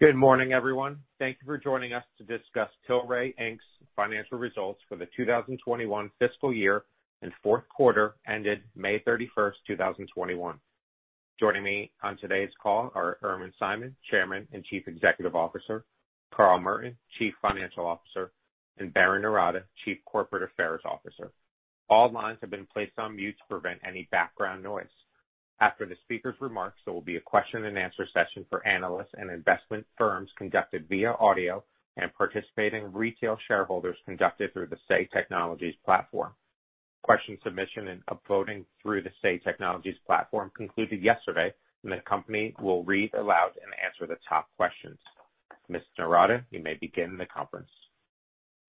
Good morning, everyone. Thank you for joining us to discuss Tilray, Inc's financial results for the 2021 fiscal year and fourth quarter ended May 31st, 2021. Joining me on today's call are Irwin Simon, Chairman and Chief Executive Officer, Carl Merton, Chief Financial Officer, and Berrin Noorata, Chief Corporate Affairs Officer. All lines have been placed on mute to prevent any background noise. After the speakers' remarks, there will be a question and answer session for analysts and investment firms conducted via audio and participating retail shareholders conducted through the Say Technologies platform. Question submission and upvoting through the Say Technologies platform concluded yesterday. The company will read aloud and answer the top questions. Ms. Noorata, you may begin the conference.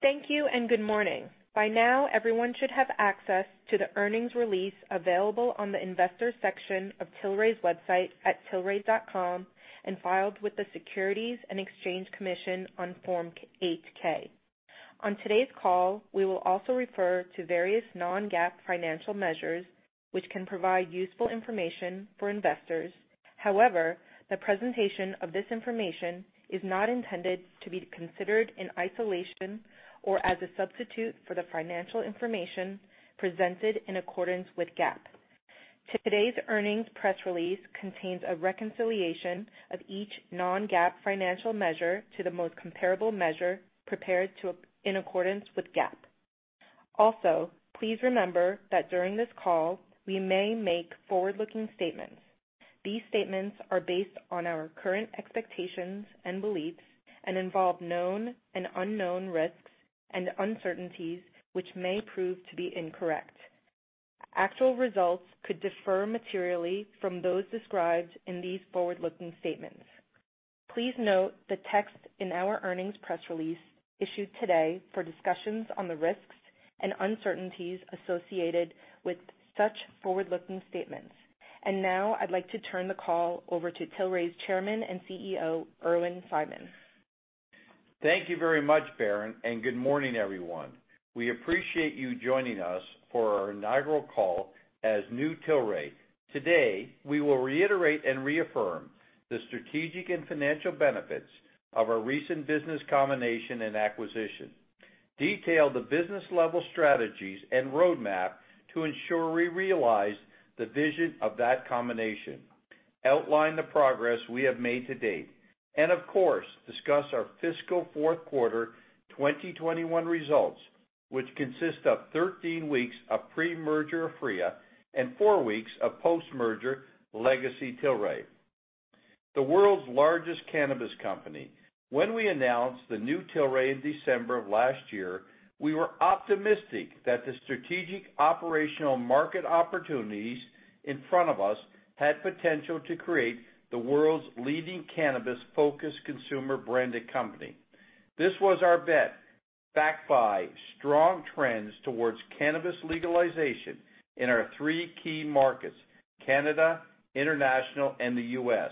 Thank you, and good morning. By now, everyone should have access to the earnings release available on the investor section of Tilray's website at tilray.com and filed with the Securities and Exchange Commission on Form 8-K. On today's call, we will also refer to various non-GAAP financial measures which can provide useful information for investors. However, the presentation of this information is not intended to be considered in isolation or as a substitute for the financial information presented in accordance with GAAP. Today's earnings press release contains a reconciliation of each non-GAAP financial measure to the most comparable measure prepared in accordance with GAAP. Please remember that during this call, we may make forward-looking statements. These statements are based on our current expectations and beliefs and involve known and unknown risks and uncertainties which may prove to be incorrect. Actual results could differ materially from those described in these forward-looking statements. Please note the text in our earnings press release issued today for discussions on the risks and uncertainties associated with such forward-looking statements. Now I'd like to turn the call over to Tilray's Chairman and Chief Executive Officer, Irwin Simon. Thank you very much, Berrin. Good morning, everyone. We appreciate you joining us for our inaugural call as new Tilray. Today, we will reiterate and reaffirm the strategic and financial benefits of our recent business combination and acquisition, detail the business-level strategies and roadmap to ensure we realize the vision of that combination, outline the progress we have made to date, and of course, discuss our fiscal fourth quarter 2021 results, which consist of 13 weeks of pre-merger Aphria and four weeks of post-merger legacy Tilray. The world's largest cannabis company. When we announced the new Tilray in December of last year, we were optimistic that the strategic operational market opportunities in front of us had potential to create the world's leading cannabis-focused consumer branded company. This was our bet, backed by strong trends towards cannabis legalization in our three key markets, Canada, international, and the U.S.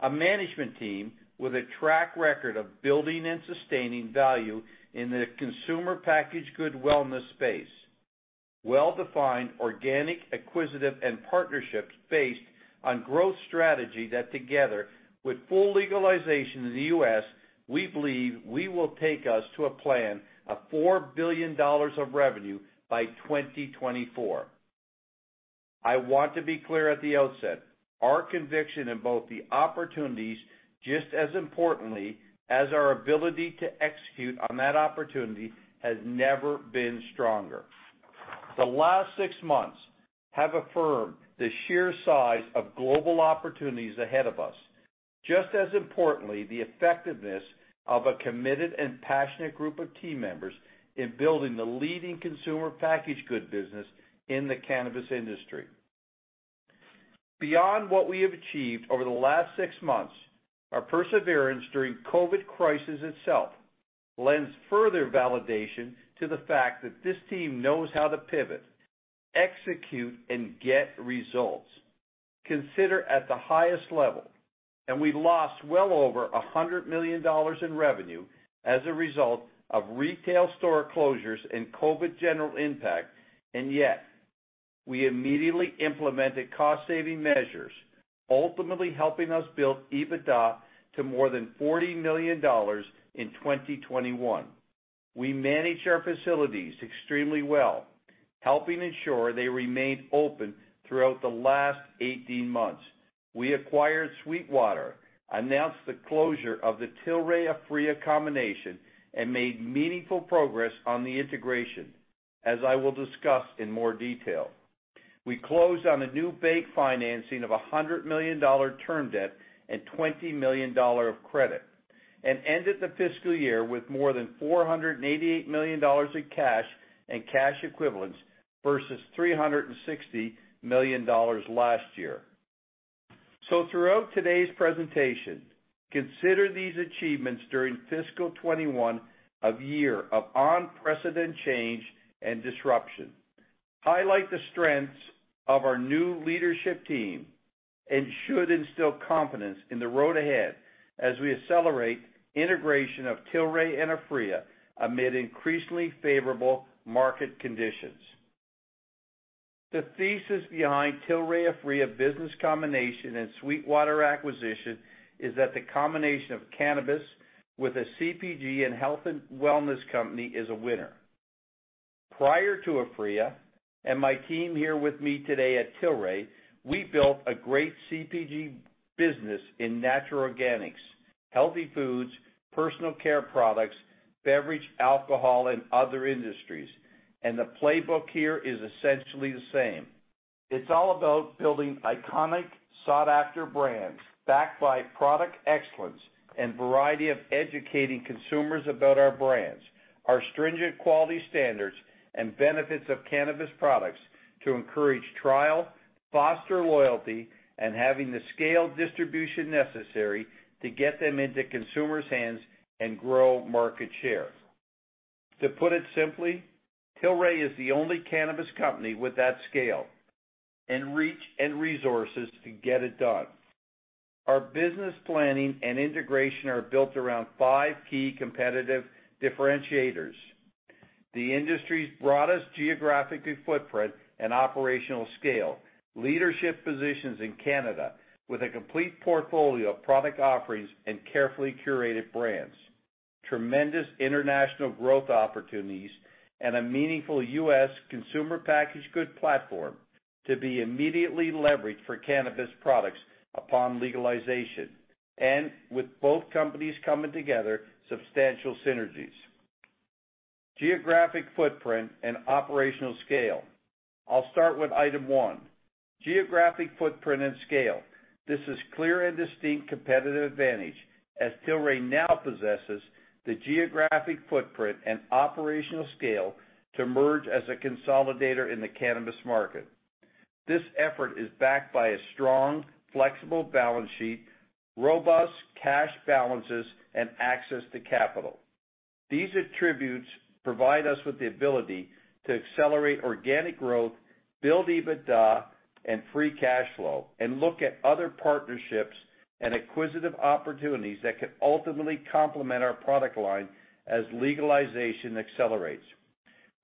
A management team with a track record of building and sustaining value in the consumer packaged goods wellness space. Well-defined organic, acquisitive, and partnerships based on growth strategy that together with full legalization in the U.S., we believe will take us to a plan of $4 billion of revenue by 2024. I want to be clear at the outset, our conviction in both the opportunities, just as importantly as our ability to execute on that opportunity, has never been stronger. The last six months have affirmed the sheer size of global opportunities ahead of us, just as importantly, the effectiveness of a committed and passionate group of team members in building the leading consumer packaged goods business in the cannabis industry. Beyond what we have achieved over the last six months, our perseverance during COVID crisis itself lends further validation to the fact that this team knows how to pivot, execute, and get results. Consider at the highest level, we lost well over $100 million in revenue as a result of retail store closures and COVID general impact, and yet we immediately implemented cost-saving measures, ultimately helping us build EBITDA to more than $40 million in 2021. We managed our facilities extremely well, helping ensure they remained open throughout the last 18 months. We acquired SweetWater, announced the closure of the Tilray Aphria combination, and made meaningful progress on the integration, as I will discuss in more detail. We closed on a new bank financing of $100 million term debt and $20 million of credit, and ended the fiscal year with more than $488 million in cash and cash equivalents versus $360 million last year. Throughout today's presentation, consider these achievements during fiscal 2021 a year of unprecedented change and disruption, highlight the strengths of our new leadership team, and should instill confidence in the road ahead as we accelerate integration of Tilray and Aphria amid increasingly favorable market conditions. The thesis behind Tilray-Aphria business combination and SweetWater acquisition is that the combination of cannabis with a CPG and health and wellness company is a winner. Prior to Aphria, my team here with me today at Tilray, we built a great CPG business in natural organics, healthy foods, personal care products, beverage, alcohol, and other industries, and the playbook here is essentially the same. It's all about building iconic, sought-after brands backed by product excellence and variety of educating consumers about our brands, our stringent quality standards, and benefits of cannabis products to encourage trial, foster loyalty, and having the scaled distribution necessary to get them into consumers' hands and grow market share. To put it simply, Tilray is the only cannabis company with that scale and reach and resources to get it done. Our business planning and integration are built around five key competitive differentiators. The industry's broadest geographically footprint and operational scale, leadership positions in Canada with a complete portfolio of product offerings and carefully curated brands, tremendous international growth opportunities, a meaningful U.S. consumer packaged good platform to be immediately leveraged for cannabis products upon legalization. With both companies coming together, substantial synergies. Geographic footprint and operational scale. I'll start with item one, geographic footprint and scale. This is clear and distinct competitive advantage as Tilray now possesses the geographic footprint and operational scale to merge as a consolidator in the cannabis market. This effort is backed by a strong, flexible balance sheet, robust cash balances, and access to capital. These attributes provide us with the ability to accelerate organic growth, build EBITDA and free cash flow, and look at other partnerships and acquisitive opportunities that can ultimately complement our product line as legalization accelerates.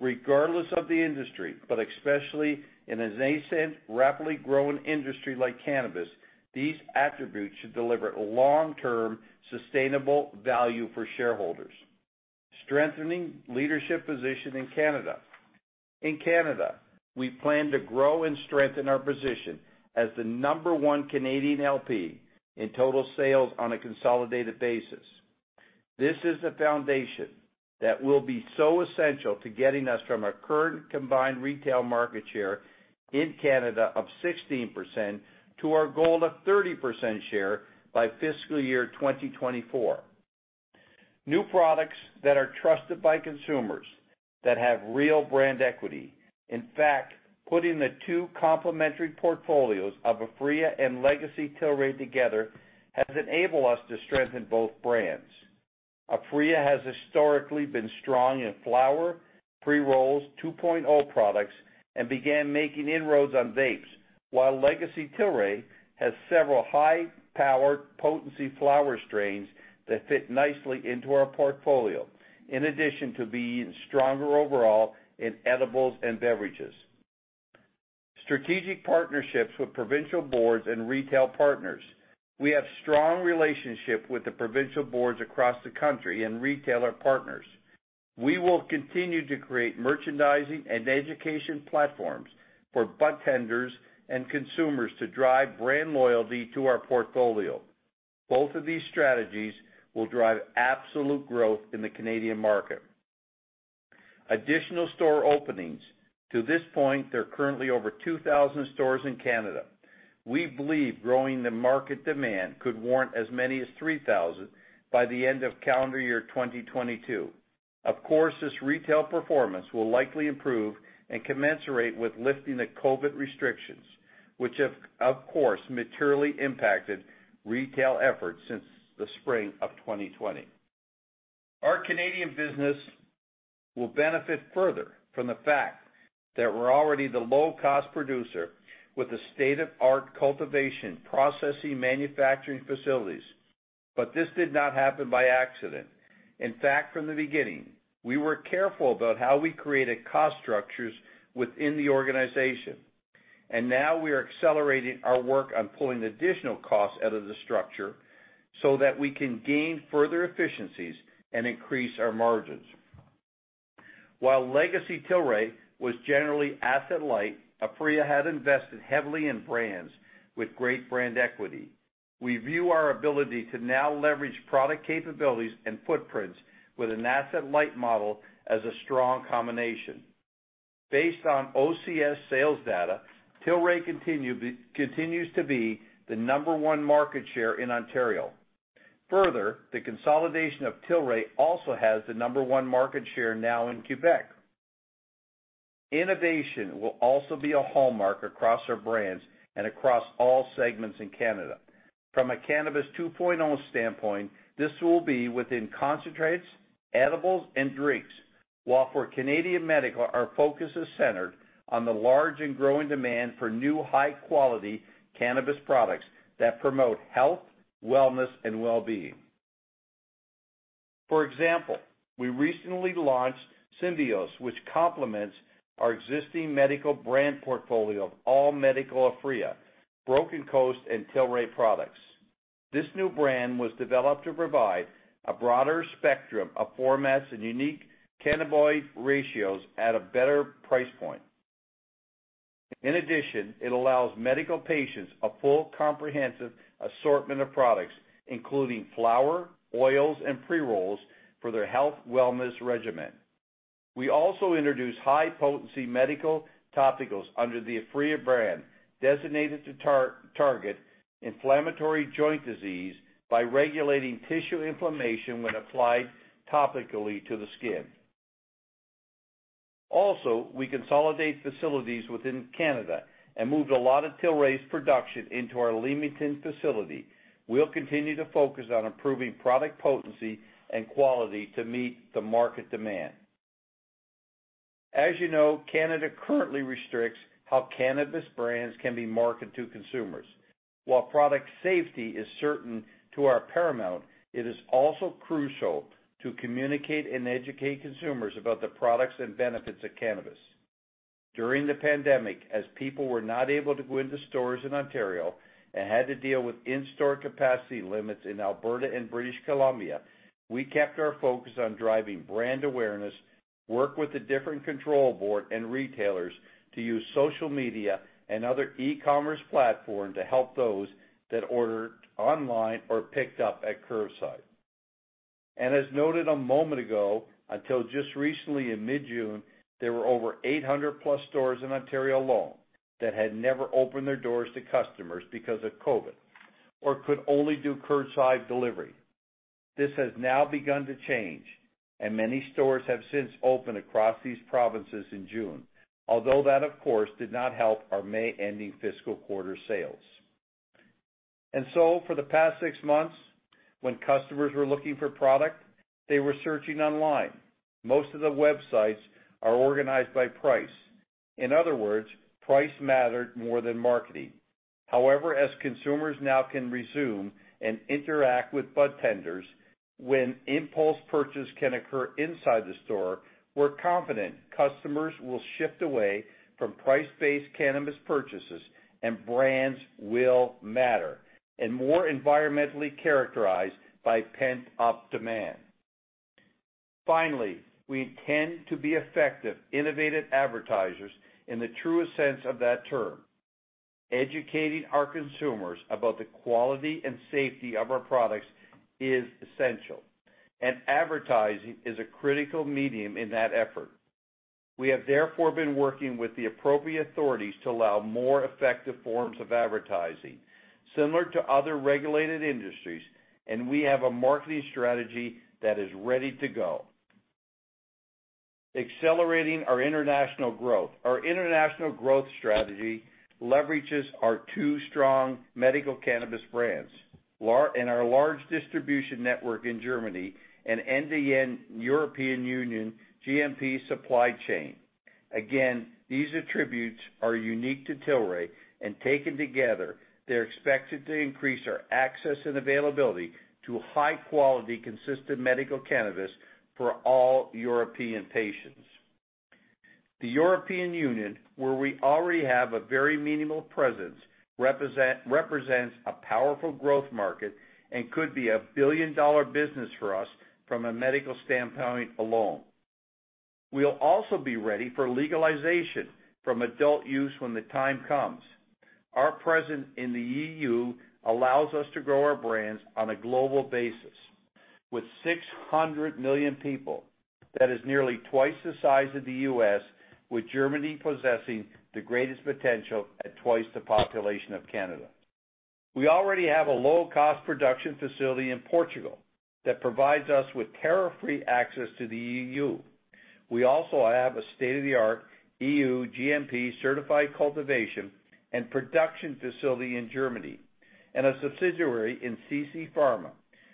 Regardless of the industry, but especially in a nascent, rapidly growing industry like cannabis, these attributes should deliver long-term sustainable value for shareholders. Strengthening leadership position in Canada. In Canada, we plan to grow and strengthen our position as the number one Canadian LP in total sales on a consolidated basis. This is the foundation that will be so essential to getting us from our current combined retail market share in Canada of 16% to our goal of 30% share by fiscal year 2024. New products that are trusted by consumers, that have real brand equity. In fact, putting the two complementary portfolios of Aphria and legacy Tilray together has enabled us to strengthen both brands. Aphria has historically been strong in flower, pre-rolls, 2.0 products, and began making inroads on vapes, while legacy Tilray has several high-powered potency flower strains that fit nicely into our portfolio. In addition to being stronger overall in edibles and beverages. Strategic partnerships with provincial boards and retail partners. We have strong relationship with the provincial boards across the country and retailer partners. We will continue to create merchandising and education platforms for budtenders and consumers to drive brand loyalty to our portfolio. Both of these strategies will drive absolute growth in the Canadian market. Additional store openings. To this point, there are currently over 2,000 stores in Canada. We believe growing the market demand could warrant as many as 3,000 by the end of calendar year 2022. Of course, this retail performance will likely improve and commensurate with lifting the COVID restrictions, which have, of course, materially impacted retail efforts since the spring of 2020. Our Canadian business will benefit further from the fact that we're already the low-cost producer with the state-of-art cultivation, processing, manufacturing facilities. This did not happen by accident. In fact, from the beginning, we were careful about how we created cost structures within the organization, and now we are accelerating our work on pulling additional costs out of the structure so that we can gain further efficiencies and increase our margins. While legacy Tilray was generally asset light, Aphria had invested heavily in brands with great brand equity. We view our ability to now leverage product capabilities and footprints with an asset-light model as a strong combination. Based on OCS sales data, Tilray continues to be the number one market share in Ontario. Further, the consolidation of Tilray also has the number one market share now in Quebec. Innovation will also be a hallmark across our brands and across all segments in Canada. From a Cannabis 2.0 standpoint, this will be within concentrates, edibles, and drinks, while for Canadian medical, our focus is centered on the large and growing demand for new high-quality cannabis products that promote health, wellness, and wellbeing. For example, we recently launched Symbios, which complements our existing medical brand portfolio of all medical Aphria, Broken Coast, and Tilray products. This new brand was developed to provide a broader spectrum of formats and unique cannabinoid ratios at a better price point. In addition, it allows medical patients a full comprehensive assortment of products, including flower, oils, and pre-rolls for their health wellness regimen. We also introduced high-potency medical topicals under the Aphria brand, designated to target inflammatory joint disease by regulating tissue inflammation when applied topically to the skin. Also, we consolidate facilities within Canada and moved a lot of Tilray's production into our Leamington facility. We'll continue to focus on improving product potency and quality to meet the market demand. As you know, Canada currently restricts how cannabis brands can be marketed to consumers. While product safety is certain to our paramount, it is also crucial to communicate and educate consumers about the products and benefits of cannabis. During the pandemic, as people were not able to go into stores in Ontario and had to deal with in-store capacity limits in Alberta and British Columbia, we kept our focus on driving brand awareness, work with the different control board and retailers to use social media and other e-commerce platform to help those that ordered online or picked up at curbside. As noted a moment ago, until just recently in mid-June, there were over 800+ stores in Ontario alone that had never opened their doors to customers because of COVID, or could only do curbside delivery. This has now begun to change, and many stores have since opened across these provinces in June. That, of course, did not help our May-ending fiscal quarter sales. For the past six months, when customers were looking for product, they were searching online. Most of the websites are organized by price. In other words, price mattered more than marketing. However, as consumers now can resume and interact with budtenders, when impulse purchase can occur inside the store, we're confident customers will shift away from price-based cannabis purchases and brands will matter, and more inherently characterized by pent-up demand. Finally, we intend to be effective, innovative advertisers in the truest sense of that term. Educating our consumers about the quality and safety of our products is essential, and advertising is a critical medium in that effort. We have therefore been working with the appropriate authorities to allow more effective forms of advertising similar to other regulated industries, and we have a marketing strategy that is ready to go. Accelerating our international growth. Our international growth strategy leverages our two strong medical cannabis brands and our large distribution network in Germany and end-to-end European Union GMP supply chain. These attributes are unique to Tilray, and taken together, they're expected to increase our access and availability to high-quality, consistent medical cannabis for all European patients. The European Union, where we already have a very minimal presence, represents a powerful growth market and could be a billion-dollar business for us from a medical standpoint alone. We'll also be ready for legalization from adult use when the time comes. Our presence in the EU allows us to grow our brands on a global basis. With 600 million people, that is nearly twice the size of the U.S., with Germany possessing the greatest potential at twice the population of Canada. We already have a low-cost production facility in Portugal that provides us with tariff-free access to the EU. We also have a state-of-the-art EU GMP certified cultivation and production facility in Germany and a subsidiary in CC Pharma,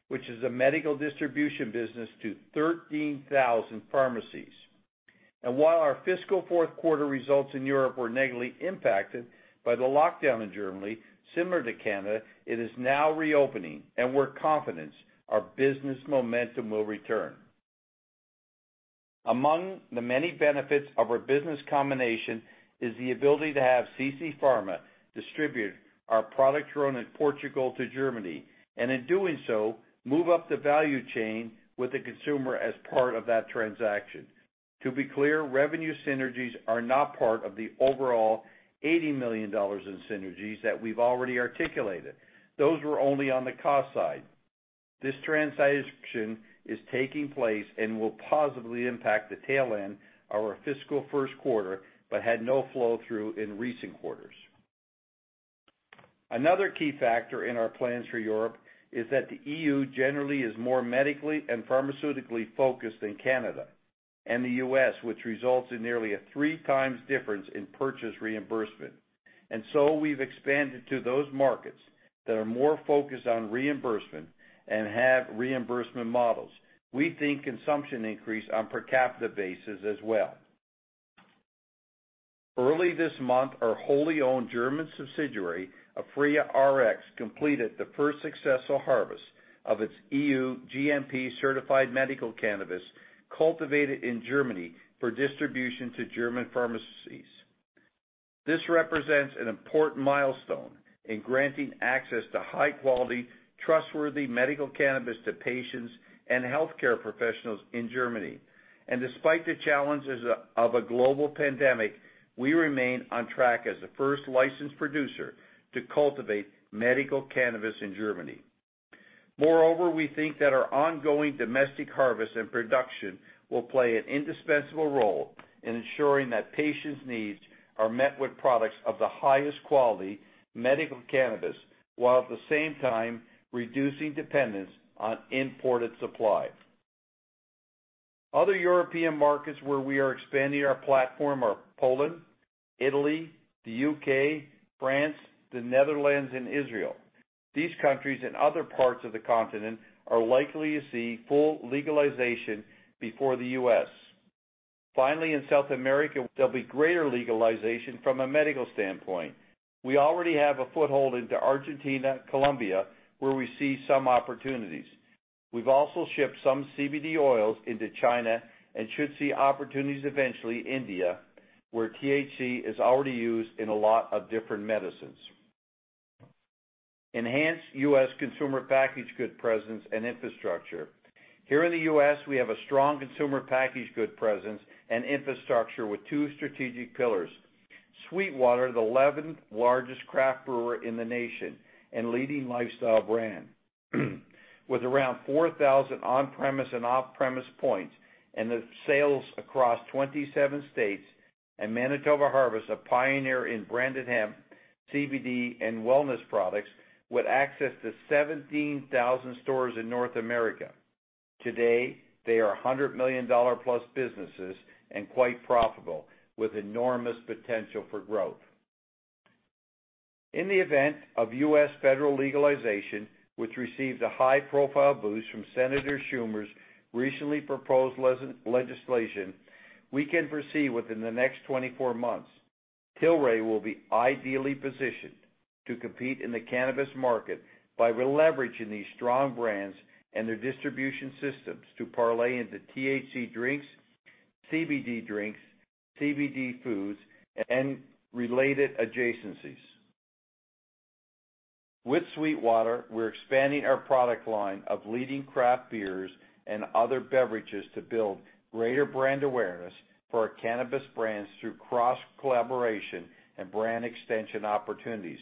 which is a medical distribution business to 13,000 pharmacies. While our fiscal fourth quarter results in Europe were negatively impacted by the lockdown in Germany, similar to Canada, it is now reopening, and we're confident our business momentum will return. Among the many benefits of our business combination is the ability to have CC Pharma distribute our product grown in Portugal to Germany, and in doing so, move up the value chain with the consumer as part of that transaction. To be clear, revenue synergies are not part of the overall $80 million in synergies that we've already articulated. Those were only on the cost side. This transition is taking place and will positively impact the tail end of our fiscal first quarter, but had no flow-through in recent quarters. Another key factor in our plans for Europe is that the EU generally is more medically and pharmaceutically focused than Canada and the U.S., which results in nearly a three times difference in purchase reimbursement. We've expanded to those markets that are more focused on reimbursement and have reimbursement models. We think consumption increase on per capita basis as well. Early this month, our wholly owned German subsidiary, Aphria RX, completed the first successful harvest of its EU GMP-certified medical cannabis cultivated in Germany for distribution to German pharmacies. This represents an important milestone in granting access to high-quality, trustworthy medical cannabis to patients and healthcare professionals in Germany. Despite the challenges of a global pandemic, we remain on track as the first licensed producer to cultivate medical cannabis in Germany. Moreover, we think that our ongoing domestic harvest and production will play an indispensable role in ensuring that patients' needs are met with products of the highest quality medical cannabis, while at the same time reducing dependence on imported supply. Other European markets where we are expanding our platform are Poland, Italy, the U.K., France, the Netherlands, and Israel. These countries and other parts of the continent are likely to see full legalization before the U.S. Finally, in South America, there'll be greater legalization from a medical standpoint. We already have a foothold into Argentina, Colombia, where we see some opportunities. We've also shipped some CBD oils into China and should see opportunities eventually India, where THC is already used in a lot of different medicines. Enhanced U.S. consumer packaged goods presence and infrastructure. Here in the U.S., we have a strong consumer packaged good presence and infrastructure with two strategic pillars. SweetWater, the 11th largest craft brewer in the nation, and leading lifestyle brand. With around 4,000 on-premise and off-premise points and sales across 27 states, and Manitoba Harvest, a pioneer in branded hemp, CBD, and wellness products, with access to 17,000 stores in North America. Today, they are $100 million+ businesses and quite profitable, with enormous potential for growth. In the event of U.S. federal legalization, which received a high-profile boost from Senator Schumer's recently proposed legislation, we can foresee within the next 24 months, Tilray will be ideally positioned to compete in the cannabis market by leveraging these strong brands and their distribution systems to parlay into THC drinks, CBD drinks, CBD foods, and related adjacencies. With SweetWater, we're expanding our product line of leading craft beers and other beverages to build greater brand awareness for our cannabis brands through cross-collaboration and brand extension opportunities.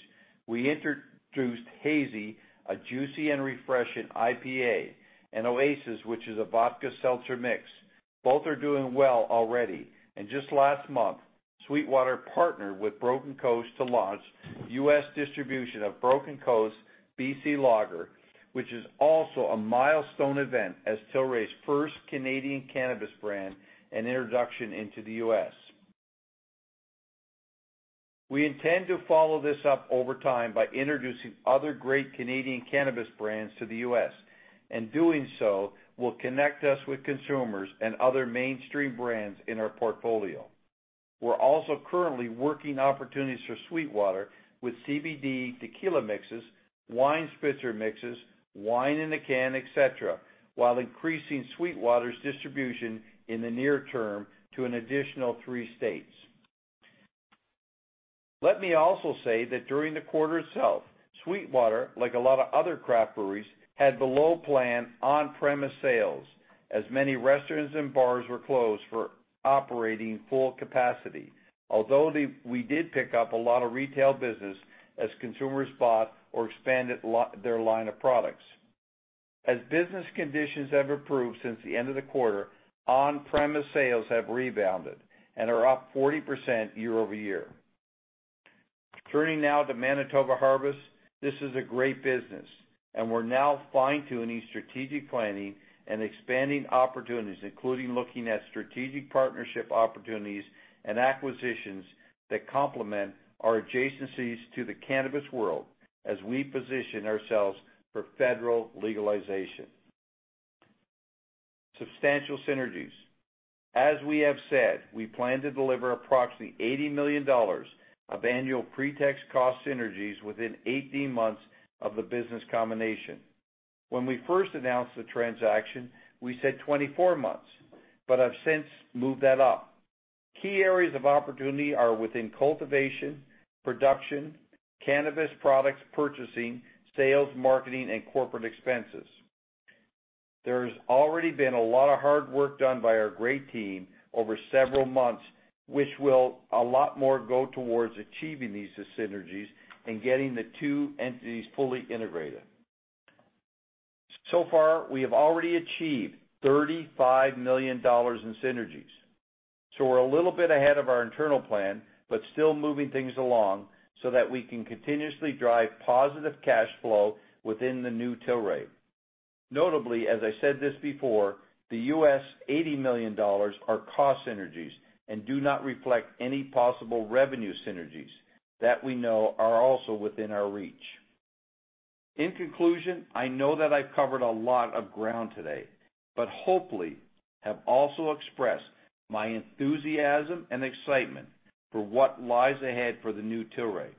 We introduced H.A.Z.Y., a juicy and refreshing IPA, and Oasis, which is a vodka seltzer mix. Both are doing well already. Just last month, SweetWater partnered with Broken Coast to launch U.S. distribution of Broken Coast BC Lager, which is also a milestone event as Tilray's first Canadian cannabis brand and introduction into the U.S. We intend to follow this up over time by introducing other great Canadian cannabis brands to the U.S., and doing so will connect us with consumers and other mainstream brands in our portfolio. We're also currently working opportunities for SweetWater with CBD tequila mixes, wine spritzer mixes, wine in a can, et cetera, while increasing SweetWater's distribution in the near term to an additional three states. Let me also say that during the quarter itself, SweetWater, like a lot of other craft breweries, had below plan on-premise sales as many restaurants and bars were closed for operating full capacity. Although we did pick up a lot of retail business as consumers bought or expanded their line of products. As business conditions have improved since the end of the quarter, on-premise sales have rebounded and are up 40% year-over-year. Turning now to Manitoba Harvest, this is a great business, and we're now fine-tuning strategic planning and expanding opportunities, including looking at strategic partnership opportunities and acquisitions that complement our adjacencies to the cannabis world as we position ourselves for federal legalization. Substantial synergies. As we have said, we plan to deliver approximately $80 million of annual pre-tax cost synergies within 18 months of the business combination. When we first announced the transaction, we said 24 months, but have since moved that up. Key areas of opportunity are within cultivation, production, cannabis products purchasing, sales, marketing, and corporate expenses. There's already been a lot of hard work done by our great team over several months, which will a lot more go towards achieving these synergies and getting the two entities fully integrated. So far, we have already achieved $35 million in synergies. We're a little bit ahead of our internal plan, but still moving things along so that we can continuously drive positive cash flow within the new Tilray. Notably, as I said this before, the $80 million are cost synergies and do not reflect any possible revenue synergies that we know are also within our reach. In conclusion, I know that I've covered a lot of ground today, but hopefully have also expressed my enthusiasm and excitement for what lies ahead for the new Tilray.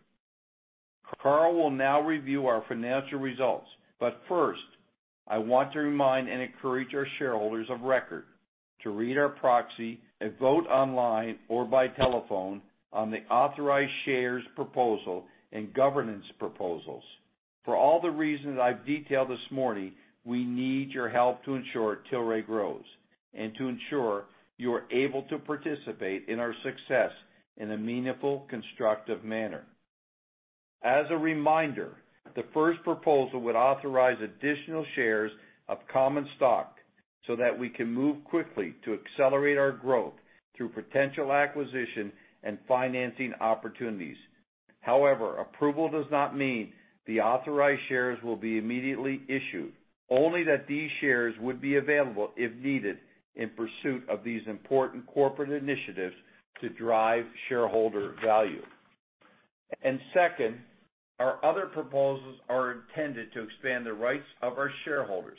Carl will now review our financial results, but first, I want to remind and encourage our shareholders of record to read our proxy and vote online or by telephone on the authorized shares proposal and governance proposals. For all the reasons I've detailed this morning, we need your help to ensure Tilray grows, and to ensure you are able to participate in our success in a meaningful, constructive manner. As a reminder, the first proposal would authorize additional shares of common stock so that we can move quickly to accelerate our growth through potential acquisition and financing opportunities. However, approval does not mean the authorized shares will be immediately issued, only that these shares would be available if needed in pursuit of these important corporate initiatives to drive shareholder value. Second, our other proposals are intended to expand the rights of our shareholders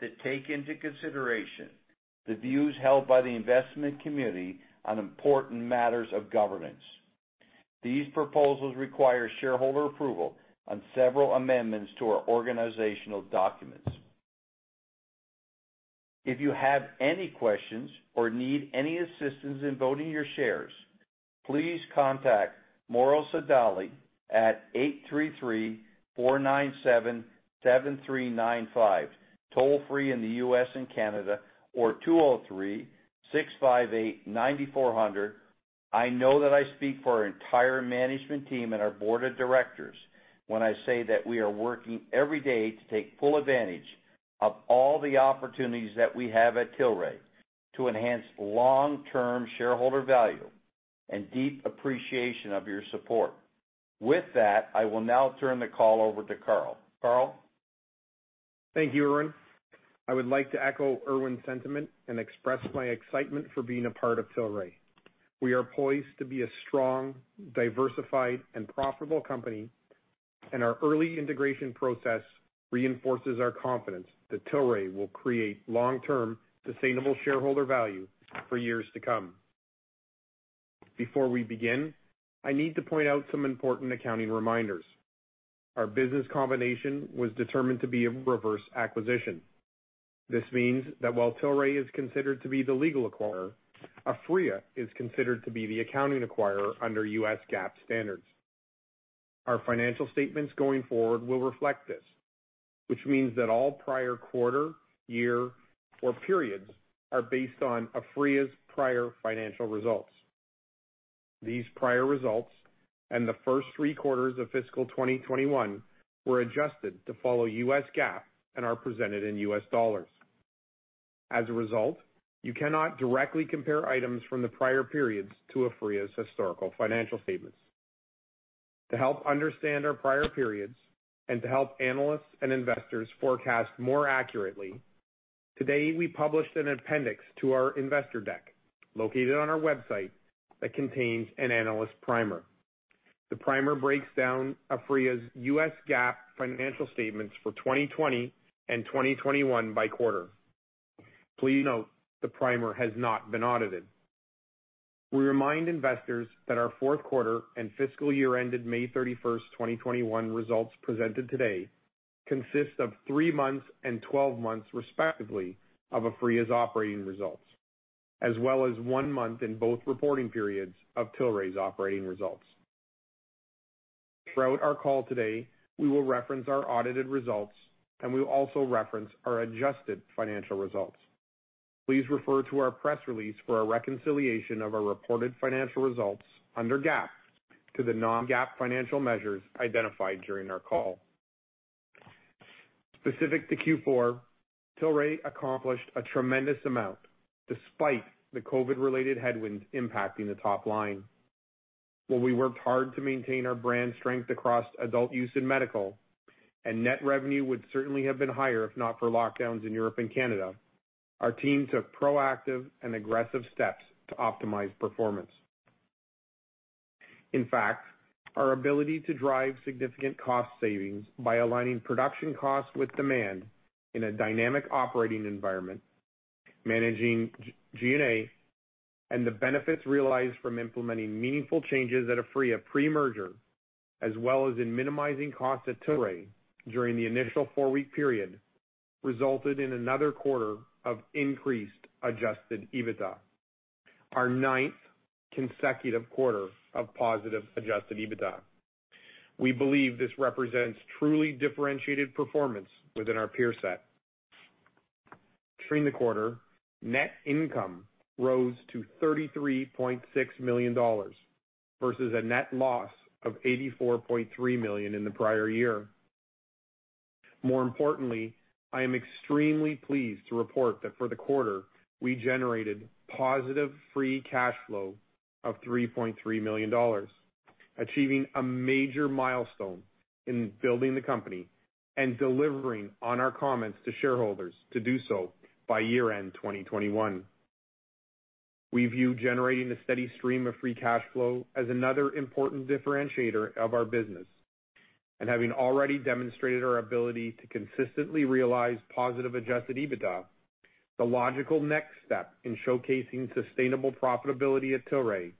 that take into consideration the views held by the investment community on important matters of governance. These proposals require shareholder approval on several amendments to our organizational documents. If you have any questions or need any assistance in voting your shares, please contact Morrow Sodali at 833-497-7395, toll-free in the U.S. and Canada, or 203-658-9400. I know that I speak for our entire management team and our board of directors when I say that we are working every day to take full advantage of all the opportunities that we have at Tilray to enhance long-term shareholder value and deep appreciation of your support. With that, I will now turn the call over to Carl. Carl? Thank you, Irwin. I would like to echo Irwin's sentiment and express my excitement for being a part of Tilray. We are poised to be a strong, diversified, and profitable company, and our early integration process reinforces our confidence that Tilray will create long-term sustainable shareholder value for years to come. Before we begin, I need to point out some important accounting reminders. Our business combination was determined to be a reverse acquisition. This means that while Tilray is considered to be the legal acquirer, Aphria is considered to be the accounting acquirer under U.S. GAAP standards. Our financial statements going forward will reflect this, which means that all prior quarter, year, or periods are based on Aphria's prior financial results. These prior results and the first three quarters of fiscal 2021 were adjusted to follow U.S. GAAP and are presented in U.S. dollars. As a result, you cannot directly compare items from the prior periods to Aphria's historical financial statements. To help understand our prior periods and to help analysts and investors forecast more accurately, today we published an appendix to our investor deck located on our website that contains an analyst primer. The primer breaks down Aphria's U.S. GAAP financial statements for 2020 and 2021 by quarter. Please note the primer has not been audited. We remind investors that our fourth quarter and fiscal year ended May 31st, 2021 results presented today consist of three months and 12 months respectively of Aphria's operating results, as well as one month in both reporting periods of Tilray's operating results. Throughout our call today, we will reference our audited results, and we will also reference our adjusted financial results. Please refer to our press release for a reconciliation of our reported financial results under GAAP to the non-GAAP financial measures identified during our call. Specific to Q4, Tilray accomplished a tremendous amount despite the COVID-related headwinds impacting the top line. While we worked hard to maintain our brand strength across adult use and medical, and net revenue would certainly have been higher if not for lockdowns in Europe and Canada, our team took proactive and aggressive steps to optimize performance. In fact, our ability to drive significant cost savings by aligning production costs with demand in a dynamic operating environment, managing G&A, and the benefits realized from implementing meaningful changes at Aphria pre-merger, as well as in minimizing costs at Tilray during the initial four-week period, resulted in another quarter of increased adjusted EBITDA. Our ninth consecutive quarter of positive adjusted EBITDA. We believe this represents truly differentiated performance within our peer set. During the quarter, net income rose to $33.6 million versus a net loss of $84.3 million in the prior year. More importantly, I am extremely pleased to report that for the quarter, we generated positive free cash flow of $3.3 million, achieving a major milestone in building the company and delivering on our comments to shareholders to do so by year-end 2021. We view generating a steady stream of free cash flow as another important differentiator of our business. Having already demonstrated our ability to consistently realize positive adjusted EBITDA, the logical next step in showcasing sustainable profitability at Tilray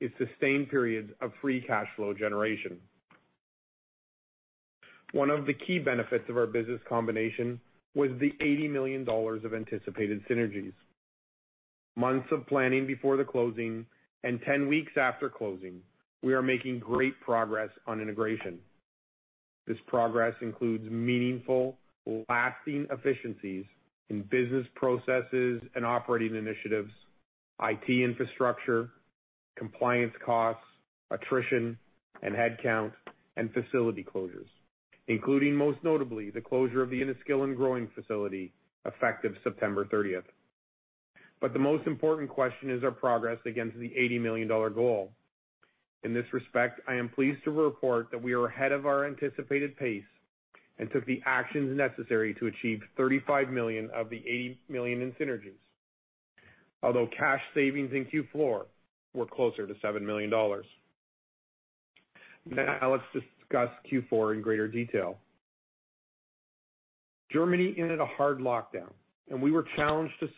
is sustained periods of free cash flow generation. One of the key benefits of our business combination was the $80 million of anticipated synergies. Months of planning before the closing and 10 weeks after closing, we are making great progress on integration. This progress includes meaningful, lasting efficiencies in business processes and operating initiatives, IT infrastructure, compliance costs, attrition and headcount, and facility closures, including, most notably, the closure of the Enniskillen growing facility effective September 30th. The most important question is our progress against the $80 million goal. In this respect, I am pleased to report that we are ahead of our anticipated pace and took the actions necessary to achieve $35 million of the $80 million in synergies. Although cash savings in Q4 were closer to $7 million. Let's discuss Q4 in greater detail. Germany entered a hard lockdown, and we were challenged to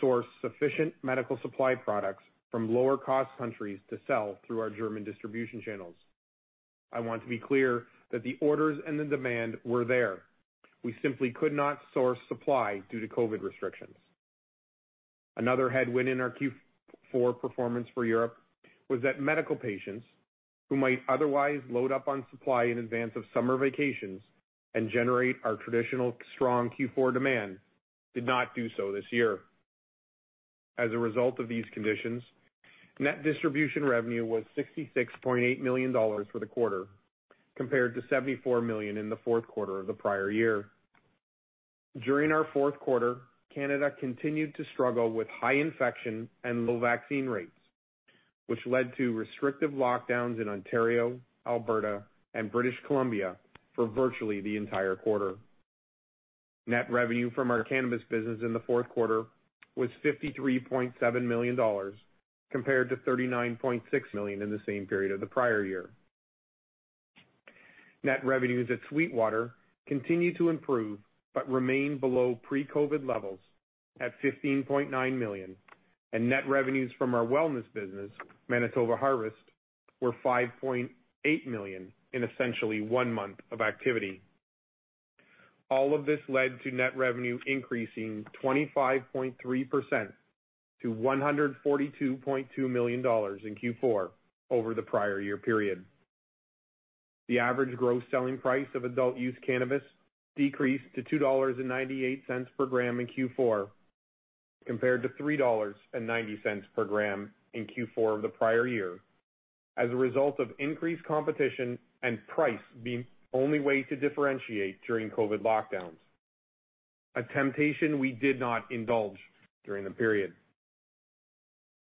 source sufficient medical supply products from lower cost countries to sell through our German distribution channels. I want to be clear that the orders and the demand were there. We simply could not source supply due to COVID restrictions. Another headwind in our Q4 performance for Europe was that medical patients who might otherwise load up on supply in advance of summer vacations and generate our traditional strong Q4 demand, did not do so this year. As a result of these conditions, net distribution revenue was $66.8 million for the quarter, compared to $74 million in the fourth quarter of the prior year. During our fourth quarter, Canada continued to struggle with high infection and low vaccine rates, which led to restrictive lockdowns in Ontario, Alberta, and British Columbia for virtually the entire quarter. Net revenue from our cannabis business in the fourth quarter was $53.7 million, compared to $39.6 million in the same period of the prior year. Net revenues at SweetWater continue to improve but remain below pre-COVID levels at $15.9 million, and net revenues from our wellness business, Manitoba Harvest, were $5.8 million in essentially one month of activity. All of this led to net revenue increasing 25.3% to $142.2 million in Q4 over the prior year period. The average gross selling price of adult use cannabis decreased to $2.98 per gram in Q4, compared to $3.90 per gram in Q4 of the prior year, as a result of increased competition and price being the only way to differentiate during COVID lockdowns. A temptation we did not indulge during the period.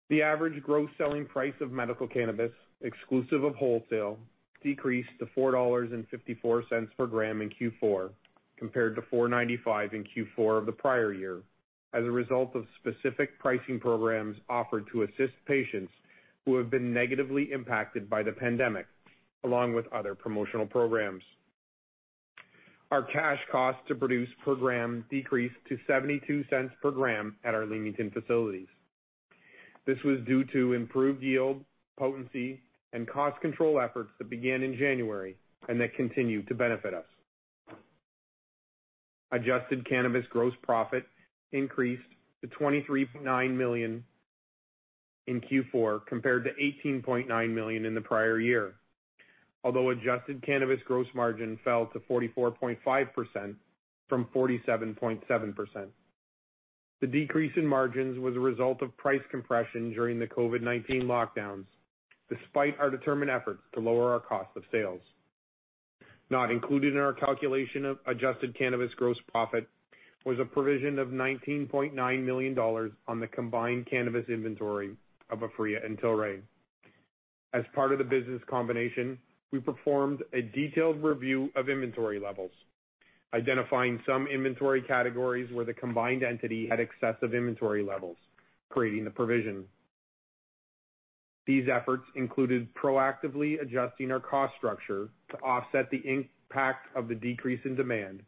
The average gross selling price of medical cannabis, exclusive of wholesale, decreased to $4.54 per gram in Q4, compared to $4.95 in Q4 of the prior year, as a result of specific pricing programs offered to assist patients who have been negatively impacted by the pandemic, along with other promotional programs. Our cash cost to produce per gram decreased to $0.72 per gram at our Leamington facilities. This was due to improved yield, potency, and cost control efforts that began in January and that continue to benefit us. Adjusted cannabis gross profit increased to $23.9 million in Q4 compared to $18.9 million in the prior year. Adjusted cannabis gross margin fell to 44.5% from 47.7%. The decrease in margins was a result of price compression during the COVID-19 lockdowns, despite our determined efforts to lower our cost of sales. Not included in our calculation of adjusted cannabis gross profit was a provision of $19.9 million on the combined cannabis inventory of Aphria and Tilray. As part of the business combination, we performed a detailed review of inventory levels, identifying some inventory categories where the combined entity had excessive inventory levels, creating the provision. These efforts included proactively adjusting our cost structure to offset the impact of the decrease in demand,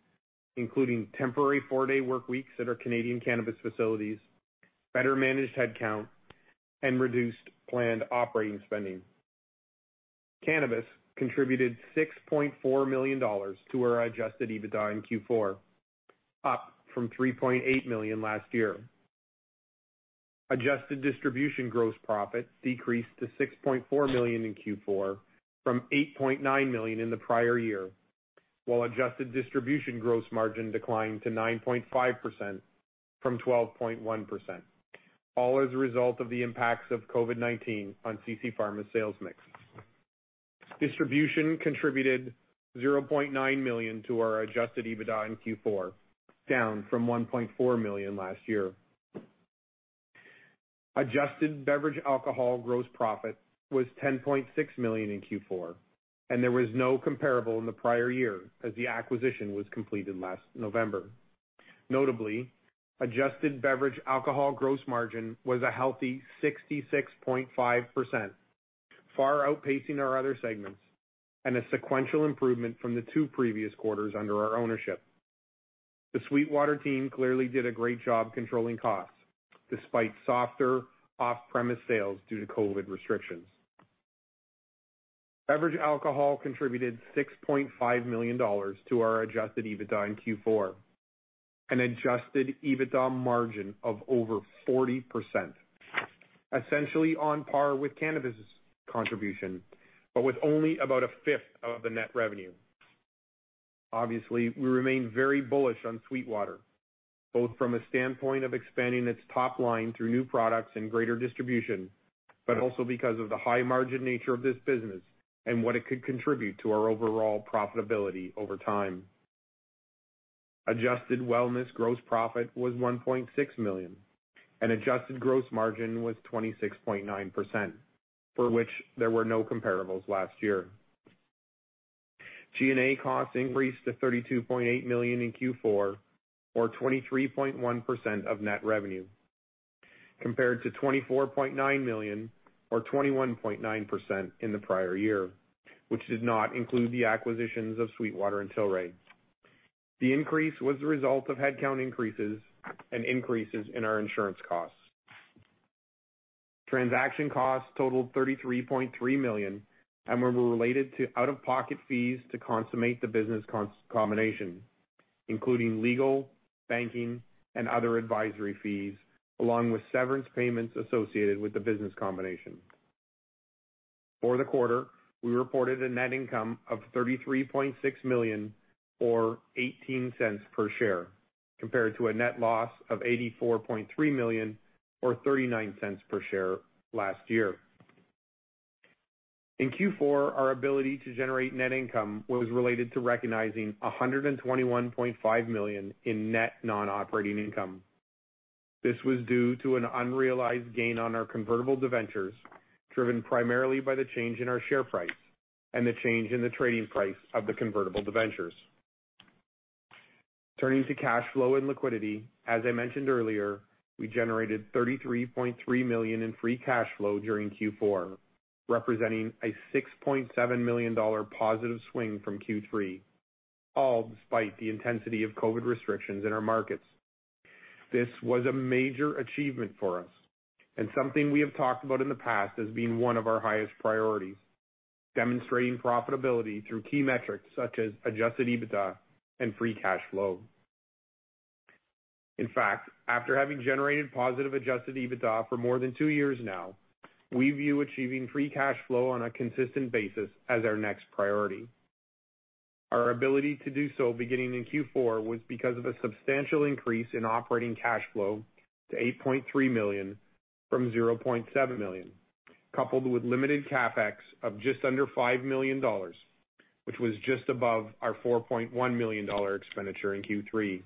including temporary four-day workweeks at our Canadian cannabis facilities, better managed headcount, and reduced planned operating spending. Cannabis contributed $6.4 million to our adjusted EBITDA in Q4, up from $3.8 million last year. Adjusted distribution gross profit decreased to $6.4 million in Q4 from $8.9 million in the prior year, while adjusted distribution gross margin declined to 9.5% from 12.1%, all as a result of the impacts of COVID-19 on CC Pharma sales mix. Distribution contributed $0.9 million to our adjusted EBITDA in Q4, down from $1.4 million last year. Adjusted beverage alcohol gross profit was $10.6 million in Q4. There was no comparable in the prior year as the acquisition was completed last November. Notably, adjusted beverage alcohol gross margin was a healthy 66.5%, far outpacing our other segments, and a sequential improvement from the two previous quarters under our ownership. The SweetWater team clearly did a great job controlling costs, despite softer off-premise sales due to COVID restrictions. Beverage alcohol contributed $6.5 million to our adjusted EBITDA in Q4, an adjusted EBITDA margin of over 40%, essentially on par with cannabis contribution, but with only about 1/5 of the net revenue. Obviously, we remain very bullish on SweetWater, both from a standpoint of expanding its top line through new products and greater distribution, but also because of the high margin nature of this business and what it could contribute to our overall profitability over time. Adjusted wellness gross profit was $1.6 million and adjusted gross margin was 26.9%, for which there were no comparables last year. G&A costs increased to $32.8 million in Q4, or 23.1% of net revenue, compared to $24.9 million or 21.9% in the prior year, which did not include the acquisitions of SweetWater and Tilray. The increase was the result of headcount increases and increases in our insurance costs. Transaction costs totaled $33.3 million and were related to out-of-pocket fees to consummate the business combination, including legal, banking, and other advisory fees, along with severance payments associated with the business combination. For the quarter, we reported a net income of $33.6 million or $0.18 per share, compared to a net loss of $84.3 million or $0.39 per share last year. In Q4, our ability to generate net income was related to recognizing $121.5 million in net non-operating income. This was due to an unrealized gain on our convertible debentures, driven primarily by the change in our share price and the change in the trading price of the convertible debentures. Turning to cash flow and liquidity, as I mentioned earlier, we generated $33.3 million in free cash flow during Q4, representing a $6.7 million positive swing from Q3, all despite the intensity of COVID restrictions in our markets. This was a major achievement for us and something we have talked about in the past as being one of our highest priorities, demonstrating profitability through key metrics such as adjusted EBITDA and free cash flow. In fact, after having generated positive adjusted EBITDA for more than two years now, we view achieving free cash flow on a consistent basis as our next priority. Our ability to do so beginning in Q4 was because of a substantial increase in operating cash flow to $8.3 million from $0.7 million, coupled with limited CapEx of just under $5 million, which was just above our $4.1 million expenditure in Q3.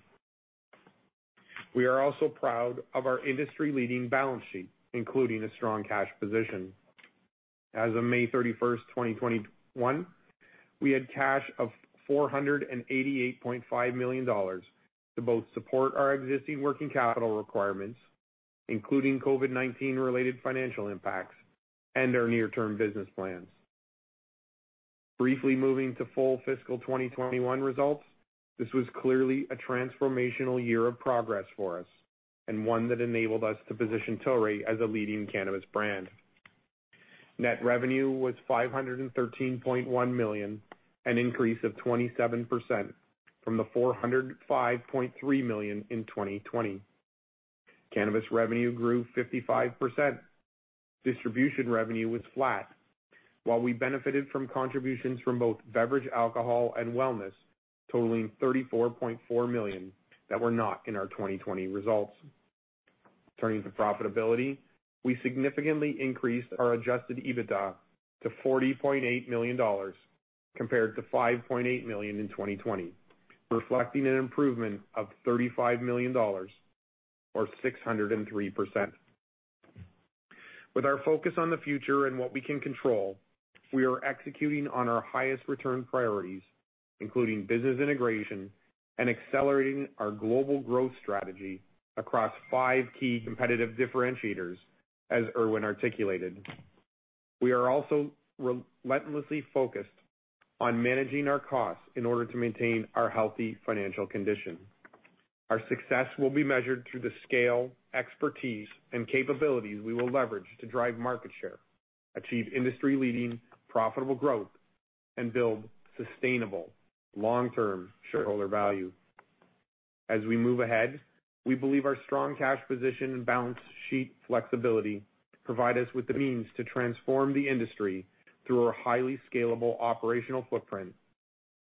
We are also proud of our industry-leading balance sheet, including a strong cash position. As of May 31st, 2021, we had cash of $488.5 million to both support our existing working capital requirements, including COVID-19 related financial impacts and our near-term business plans. Briefly moving to full fiscal 2021 results, this was clearly a transformational year of progress for us and one that enabled us to position Tilray as a leading cannabis brand. Net revenue was $513.1 million, an increase of 27% from the $405.3 million in 2020. Cannabis revenue grew 55%. Distribution revenue was flat, while we benefited from contributions from both beverage alcohol and wellness totaling $34.4 million that were not in our 2020 results. Turning to profitability, we significantly increased our adjusted EBITDA to $40.8 million compared to $5.8 million in 2020, reflecting an improvement of $35 million or 603%. With our focus on the future and what we can control, we are executing on our highest return priorities, including business integration and accelerating our global growth strategy across five key competitive differentiators as Irwin articulated. We are also relentlessly focused on managing our costs in order to maintain our healthy financial condition. Our success will be measured through the scale, expertise, and capabilities we will leverage to drive market share, achieve industry-leading profitable growth, and build sustainable long-term shareholder value. As we move ahead, we believe our strong cash position and balance sheet flexibility provide us with the means to transform the industry through a highly scalable operational footprint,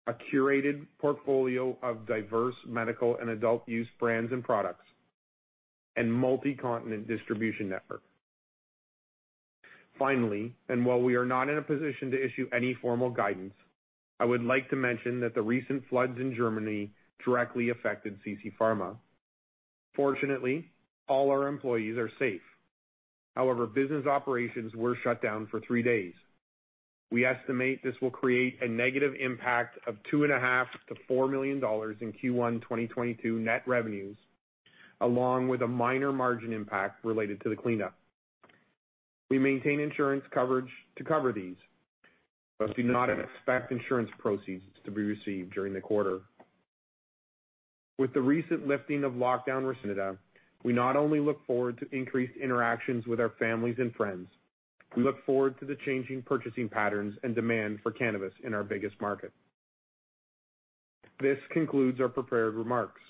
a curated portfolio of diverse medical and adult use brands and products, and multi-continent distribution network. Finally, and while we are not in a position to issue any formal guidance, I would like to mention that the recent floods in Germany directly affected CC Pharma. Fortunately, all our employees are safe. However, business operations were shut down for three days. We estimate this will create a negative impact of $2.5 million-$4 million in Q1 2022 net revenues, along with a minor margin impact related to the cleanup. We maintain insurance coverage to cover these, but do not expect insurance proceeds to be received during the quarter. With the recent lifting of lockdown restrictions, we not only look forward to increased interactions with our families and friends, we look forward to the changing purchasing patterns and demand for cannabis in our biggest market. This concludes our prepared remarks.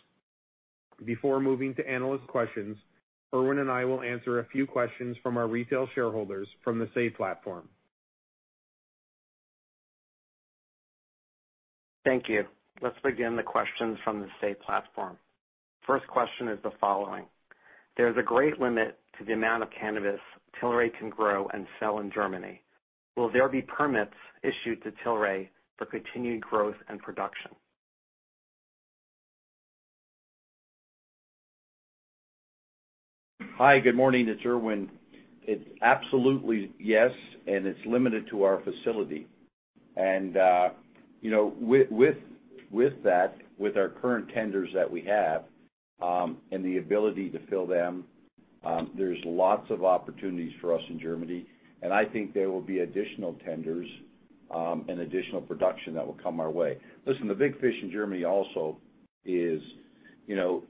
Before moving to analyst questions, Irwin and I will answer a few questions from our retail shareholders from the Say platform. Thank you. Let's begin the questions from the Say platform. First question is the following: There's a great limit to the amount of cannabis Tilray can grow and sell in Germany. Will there be permits issued to Tilray for continued growth and production? Hi, good morning. It's Irwin. It's absolutely yes, and it's limited to our facility. With that, with our current tenders that we have, and the ability to fill them, there's lots of opportunities for us in Germany, and I think there will be additional tenders, and additional production that will come our way. Listen, the big fish in Germany also is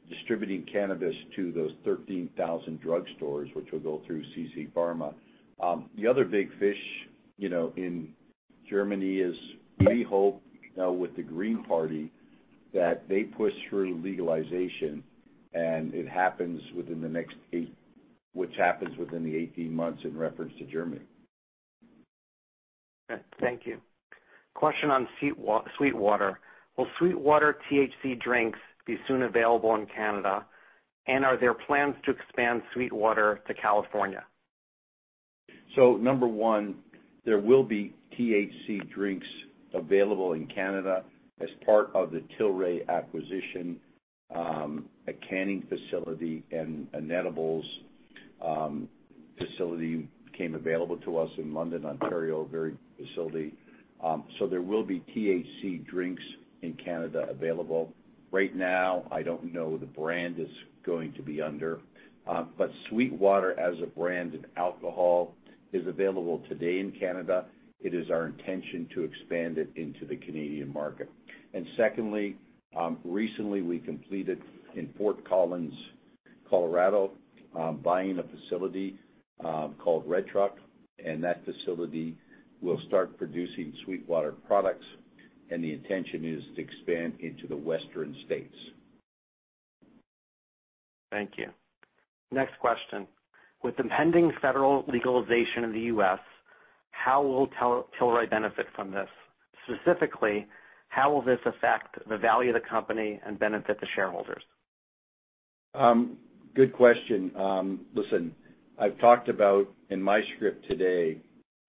distributing cannabis to those 13,000 drugstores, which will go through CC Pharma. The other big fish in Germany is, we hope now with the Green Party, that they push through legalization, which happens within the 18 months in reference to Germany. Okay, thank you. Question on SweetWater. Will SweetWater THC drinks be soon available in Canada? Are there plans to expand SweetWater to California? Number one, there will be THC drinks available in Canada as part of the Tilray acquisition. A canning facility and an edibles facility became available to us in London, Ontario, a very good facility. There will be THC drinks in Canada available. Right now, I don't know the brand it's going to be under. SweetWater as a brand in alcohol is available today in Canada. It is our intention to expand it into the Canadian market. Secondly, recently we completed in Fort Collins, Colorado, buying a facility called Red Truck, and that facility will start producing SweetWater products, and the intention is to expand into the Western states. Thank you. Next question. With impending federal legalization in the U.S., how will Tilray benefit from this? Specifically, how will this affect the value of the company and benefit the shareholders? Good question. Listen, I've talked about, in my script today,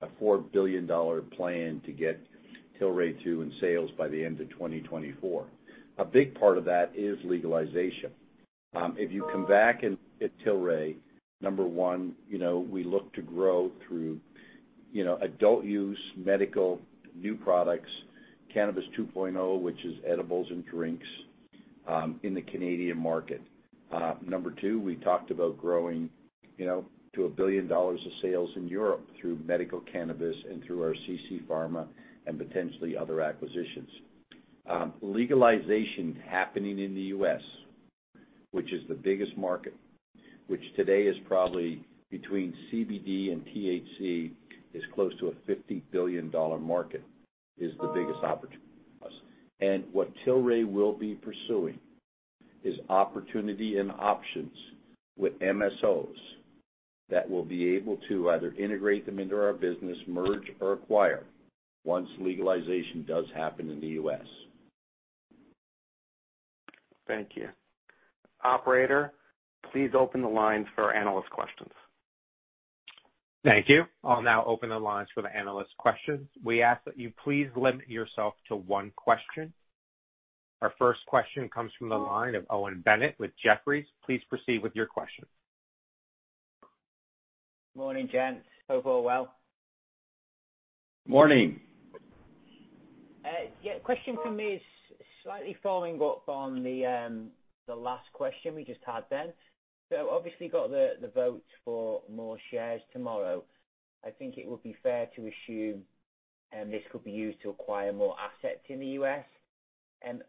a $4 billion plan to get Tilray to in sales by the end of 2024. A big part of that is legalization. If you come back and look at Tilray, number one, we look to grow through adult use, medical, new products, Cannabis 2.0, which is edibles and drinks, in the Canadian market. Number two, we talked about growing to $1 billion of sales in Europe through medical cannabis and through our CC Pharma and potentially other acquisitions. Legalization happening in the U.S., which is the biggest market, which today is probably between CBD and THC, is close to a $50 billion market, is the biggest opportunity for us. What Tilray will be pursuing is opportunity and options with MSOs that will be able to either integrate them into our business, merge, or acquire, once legalization does happen in the U.S. Thank you. Operator, please open the lines for analyst questions. Thank you. I'll now open the lines for the analyst questions. We ask that you please limit yourself to one question. Our first question comes from the line of Owen Bennett with Jefferies. Please proceed with your questions. Morning, gents. Hope all well. Morning. Yeah. Question from me is slightly following up on the last question we just had then. Obviously got the votes for more shares tomorrow. I think it would be fair to assume, this could be used to acquire more assets in the U.S.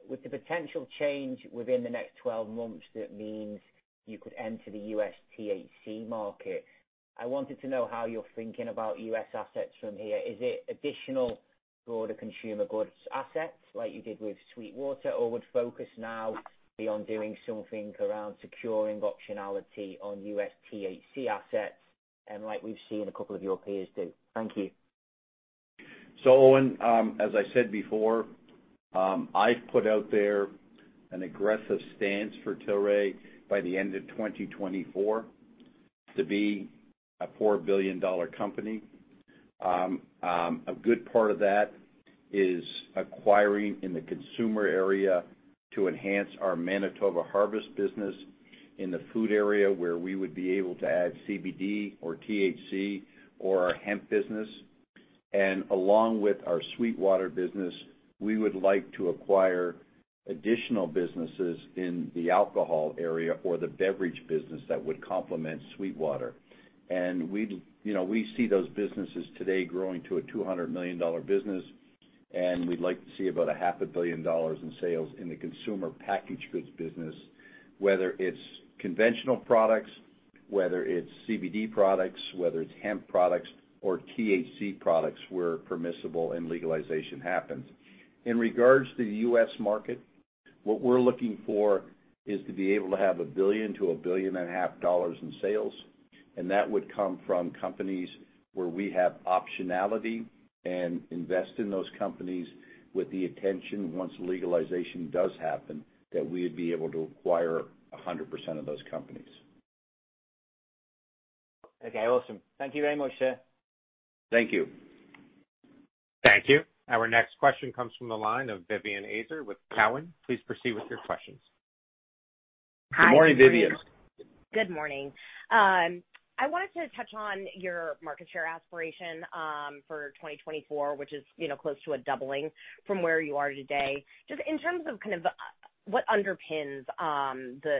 With the potential change within the next 12 months, that means you could enter the U.S. THC market. I wanted to know how you're thinking about U.S. assets from here. Is it additional broader consumer goods assets like you did with SweetWater, or would focus now be on doing something around securing optionality on U.S. THC assets, like we've seen a couple of your peers do? Thank you. Owen, as I said before, I've put out there an aggressive stance for Tilray by the end of 2024, to be a $4 billion company. A good part of that is acquiring in the consumer area to enhance our Manitoba Harvest business in the food area where we would be able to add CBD or THC or our hemp business. Along with our SweetWater business, we would like to acquire additional businesses in the alcohol area or the beverage business that would complement SweetWater. We see those businesses today growing to a $200 million business, and we'd like to see about $500 million in sales in the consumer packaged goods business, whether it's conventional products, whether it's CBD products, whether it's hemp products or THC products, where permissible and legalization happens. In regards to the U.S. market, what we're looking for is to be able to have $1 billion-$1.5 billion in sales, and that would come from companies where we have optionality and invest in those companies with the intention, once legalization does happen, that we would be able to acquire 100% of those companies. Okay, awesome. Thank you very much, sir. Thank you. Thank you. Our next question comes from the line of Vivien Azer with Cowen. Please proceed with your questions. Good morning, Vivien. Good morning. I wanted to touch on your market share aspiration, for 2024, which is close to a doubling from where you are today. Just in terms of what underpins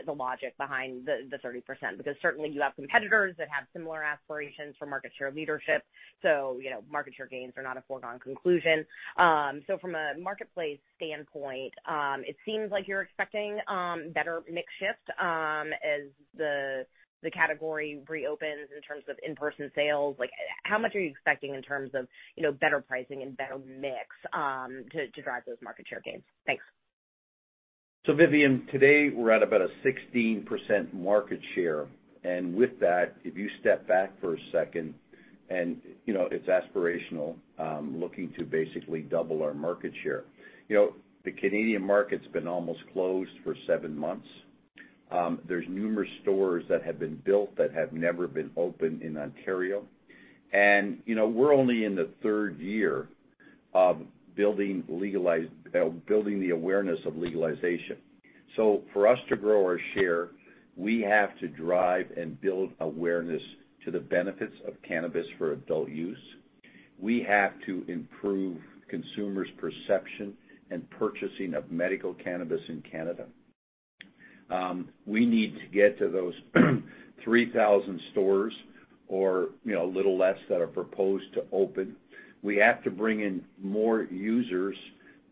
the logic behind the 30%, because certainly you have competitors that have similar aspirations for market share leadership. Market share gains are not a foregone conclusion. From a marketplace standpoint, it seems like you're expecting better mix shift as the category reopens in terms of in-person sales. How much are you expecting in terms of better pricing and better mix to drive those market share gains? Thanks. Vivien, today we're at about a 16% market share, and with that, if you step back for a second and it's aspirational, looking to basically double our market share. The Canadian market's been almost closed for seven months. There's numerous stores that have been built that have never been opened in Ontario. We're only in the third year of building the awareness of legalization. For us to grow our share, we have to drive and build awareness to the benefits of cannabis for adult use. We have to improve consumers' perception and purchasing of medical cannabis in Canada. We need to get to those 3,000 stores or a little less that are proposed to open. We have to bring in more users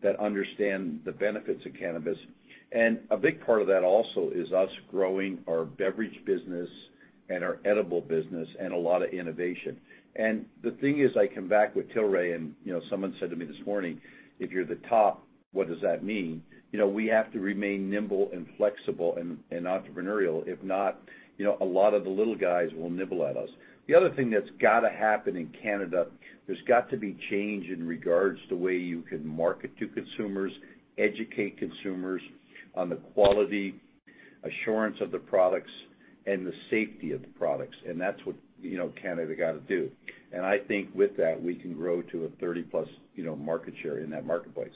that understand the benefits of cannabis. A big part of that also is us growing our beverage business and our edible business and a lot of innovation. The thing is, I come back with Tilray and someone said to me this morning, "If you're the top, what does that mean?" We have to remain nimble and flexible and entrepreneurial. If not, a lot of the little guys will nibble at us. The other thing that's got to happen in Canada, there's got to be change in regards to way you can market to consumers, educate consumers on the quality assurance of the products and the safety of the products. That's what Canada got to do. I think with that, we can grow to a 30%+ market share in that marketplace.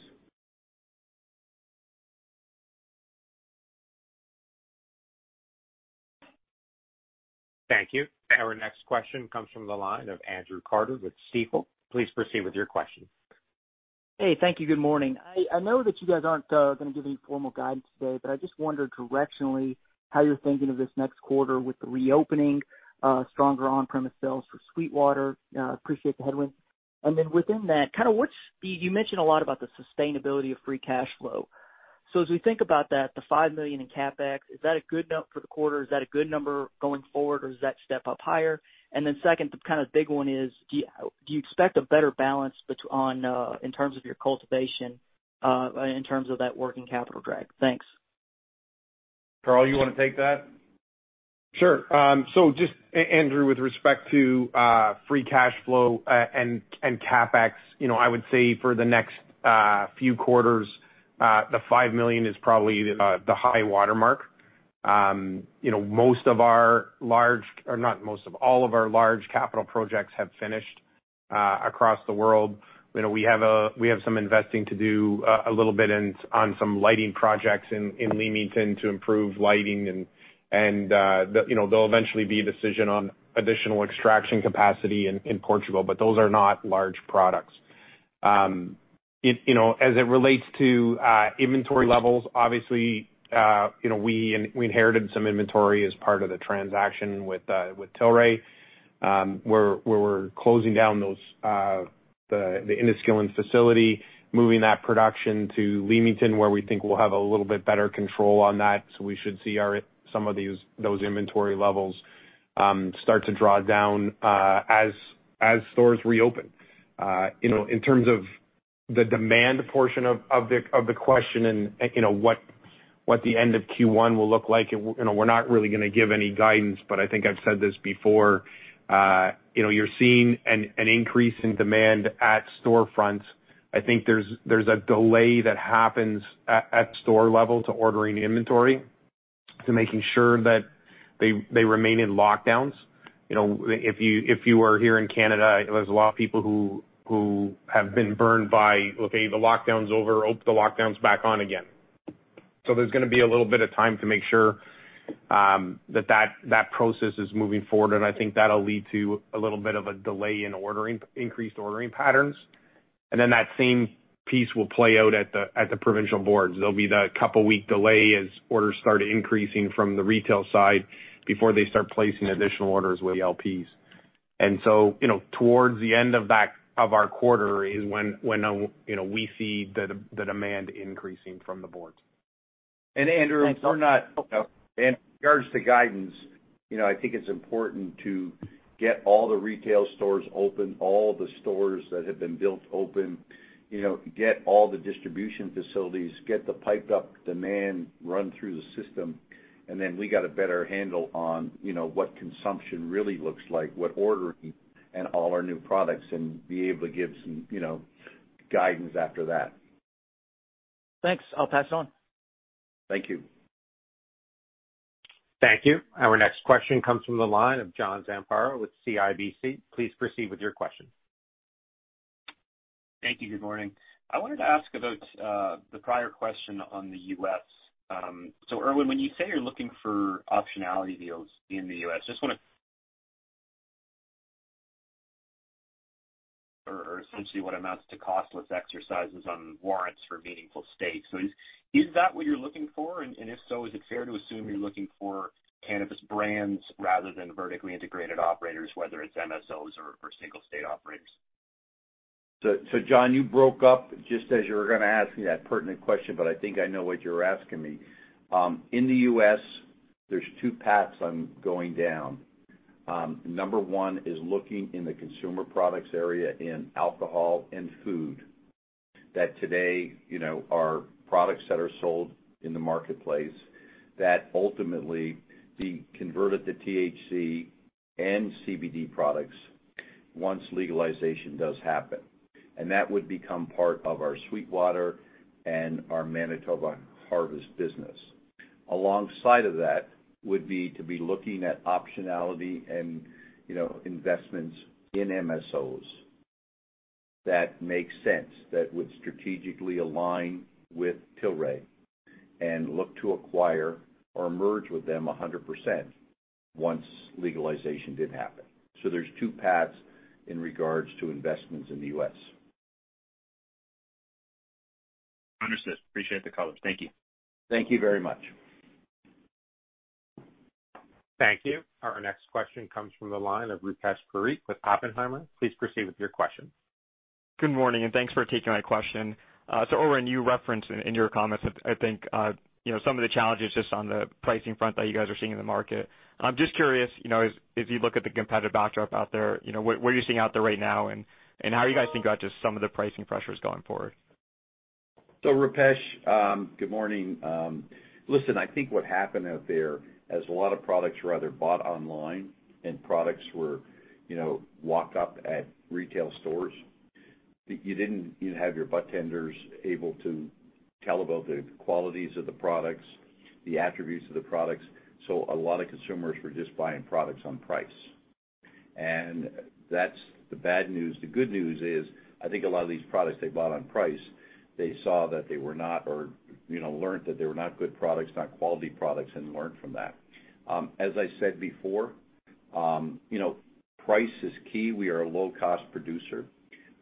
Thank you. Our next question comes from the line of Andrew Carter with Stifel. Please proceed with your question. Hey, thank you. Good morning. I know that you guys aren't going to give any formal guidance today, but I just wonder directionally how you're thinking of this next quarter with the reopening, stronger on-premise sales for SweetWater. Appreciate the headwinds. Within that, you mentioned a lot about the sustainability of free cash flow. As we think about that, the $5 million in CapEx, is that a good number for the quarter? Is that a good number going forward, or does that step up higher? Second, the big one is, do you expect a better balance in terms of your cultivation, in terms of that working capital drag? Thanks. Carl, you want to take that? Sure. Just, Andrew, with respect to free cash flow and CapEx, I would say for the next few quarters, the $5 million is probably the high watermark. All of our large capital projects have finished across the world. We have some investing to do a little bit on some lighting projects in Leamington to improve lighting and there'll eventually be a decision on additional extraction capacity in Portugal, but those are not large projects. As it relates to inventory levels, obviously, we inherited some inventory as part of the transaction with Tilray, where we're closing down the Enniskillen facility, moving that production to Leamington, where we think we'll have a little bit better control on that. We should see some of those inventory levels start to draw down as stores reopen. In terms of the demand portion of the question and what the end of Q1 will look like, we're not really going to give any guidance, but I think I've said this before. You're seeing an increase in demand at storefronts. I think there's a delay that happens at store level to ordering inventory, to making sure that they remain in lockdowns. If you are here in Canada, there's a lot of people who have been burned by, okay, the lockdown's over, oh, the lockdown's back on again. There's going to be a little bit of time to make sure that process is moving forward, and I think that'll lead to a little bit of a delay in increased ordering patterns. That same piece will play out at the provincial boards. There'll be the couple week delay as orders start increasing from the retail side before they start placing additional orders with the LPs. Towards the end of our quarter is when we see the demand increasing from the boards. Andrew, we're not. Oh, go. In regards to guidance, I think it's important to get all the retail stores open, all the stores that have been built open, get all the distribution facilities, get the piped up demand run through the system, and then we got a better handle on what consumption really looks like, what ordering and all our new products, and be able to give some guidance after that. Thanks. I'll pass on. Thank you. Thank you. Our next question comes from the line of John Zamparo with CIBC. Please proceed with your question. Thank you. Good morning. I wanted to ask about the prior question on the U.S. Irwin, when you say you're looking for optionality deals in the U.S., essentially what amounts to costless exercises on warrants for meaningful stakes. Is that what you're looking for? If so, is it fair to assume you're looking for cannabis brands rather than vertically integrated operators, whether it's MSOs or single state operators? John, you broke up just as you were going to ask me that pertinent question, but I think I know what you're asking me. In the U.S., there's two paths I'm going down. Number one is looking in the consumer products area in alcohol and food, that today are products that are sold in the marketplace that ultimately be converted to THC and CBD products once legalization does happen. That would become part of our SweetWater and our Manitoba Harvest business. Alongside of that would be to be looking at optionality and investments in MSOs that make sense, that would strategically align with Tilray and look to acquire or merge with them 100% once legalization did happen. There's two paths in regards to investments in the U.S. Understood. Appreciate the color. Thank you. Thank you very much. Thank you. Our next question comes from the line of Rupesh Parikh with Oppenheimer. Please proceed with your question. Good morning. Thanks for taking my question. Irwin, you referenced in your comments, I think, some of the challenges just on the pricing front that you guys are seeing in the market. I'm just curious, as you look at the competitive backdrop out there, what are you seeing out there right now, and how are you guys thinking about just some of the pricing pressures going forward? Rupesh, good morning. Listen, I think what happened out there, as a lot of products were either bought online and products were locked up at retail stores, you didn't have your budtenders able to tell about the qualities of the products, the attributes of the products. That's the bad news. The good news is, I think a lot of these products they bought on price, they saw that they were not, or learned that they were not good products, not quality products, and learned from that. As I said before, price is key. We are a low-cost producer.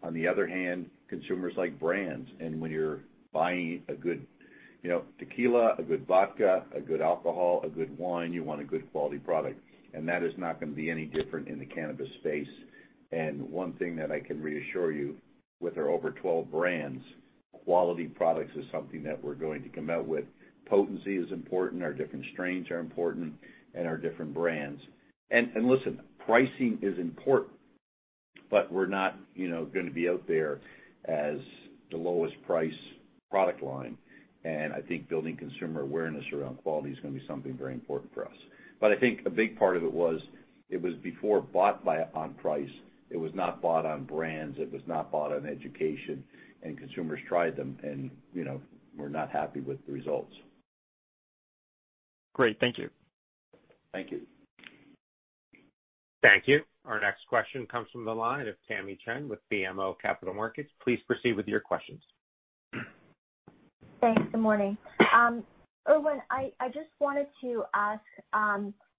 On the other hand, consumers like brands, and when you're buying a good tequila, a good vodka, a good alcohol, a good wine, you want a good quality product. That is not going to be any different in the cannabis space. One thing that I can reassure you, with our over 12 brands, quality products is something that we're going to come out with. Potency is important, our different strains are important, and our different brands. Listen, pricing is important, but we're not going to be out there as the lowest price product line. I think building consumer awareness around quality is going to be something very important for us. I think a big part of it was, it was before bought on price. It was not bought on brands, it was not bought on education, and consumers tried them and were not happy with the results. Great. Thank you. Thank you. Thank you. Our next question comes from the line of Tamy Chen with BMO Capital Markets. Please proceed with your questions. Thanks, good morning. Irwin, I just wanted to ask,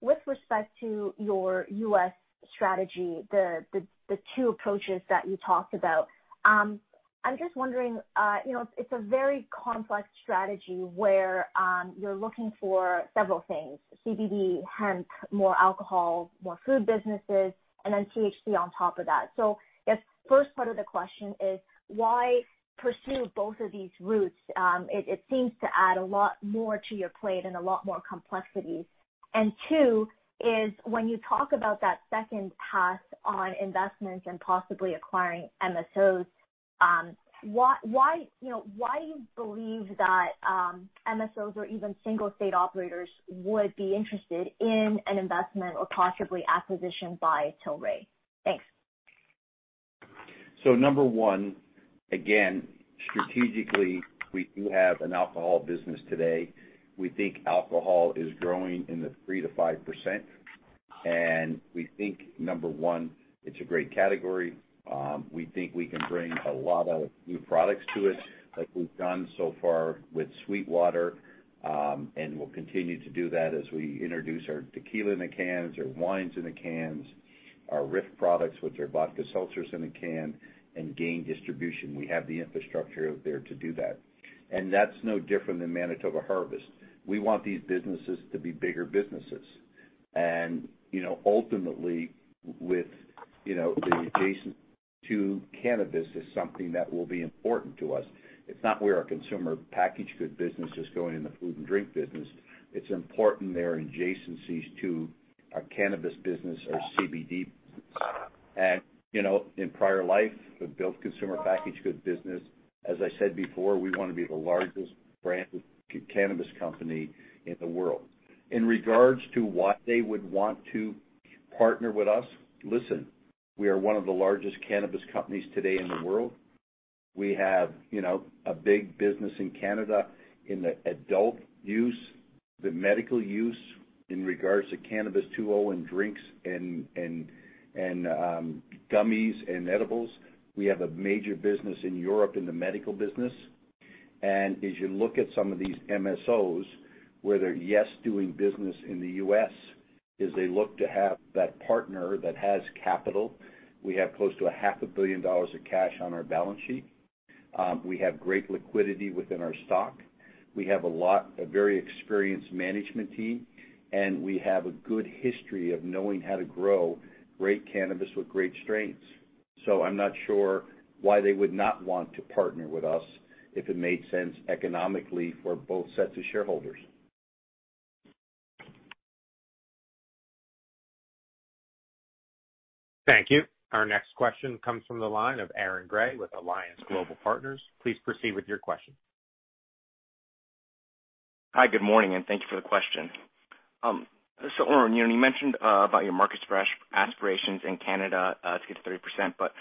with respect to your U.S. strategy, the two approaches that you talked about. I'm just wondering, it's a very complex strategy, where you're looking for several things, CBD, hemp, more alcohol, more food businesses, and then THC on top of that. I guess first part of the question is why pursue both of these routes? It seems to add a lot more to your plate and a lot more complexities. Two is, when you talk about that second path on investments and possibly acquiring MSOs, why do you believe that MSOs or even single state operators would be interested in an investment or possibly acquisition by Tilray? Thanks. Number one, again, strategically, we do have an alcohol business today. We think alcohol is growing in the 3%-5%, and we think, number one, it's a great category. We think we can bring a lot of new products to it like we've done so far with SweetWater, and we'll continue to do that as we introduce our tequila in the cans, our wines in the cans, our RIFF products, which are vodka seltzers in a can, and gain distribution. We have the infrastructure out there to do that. That's no different than Manitoba Harvest. We want these businesses to be bigger businesses. Ultimately, with the adjacent to cannabis is something that will be important to us. It's not where our consumer packaged good business is going in the food and drink business. It's important they're adjacencies to our cannabis business, our CBD. In prior life, we built consumer packaged goods business. As I said before, we want to be the largest branded cannabis company in the world. In regards to why they would want to partner with us, listen, we are one of the largest cannabis companies today in the world. We have a big business in Canada in the adult use, the medical use, in regards to Cannabis 2.0 and drinks and gummies and edibles. We have a major business in Europe in the medical business. As you look at some of these MSOs, where they're, yes, doing business in the U.S., as they look to have that partner that has capital, we have close to $500 million of cash on our balance sheet. We have great liquidity within our stock. We have a very experienced management team, and we have a good history of knowing how to grow great cannabis with great strains. I'm not sure why they would not want to partner with us if it made sense economically for both sets of shareholders. Thank you. Our next question comes from the line of Aaron Grey with Alliance Global Partners. Please proceed with your question. Hi, good morning, and thank you for the question. Irwin, you mentioned about your market aspirations in Canada to get to 30%, but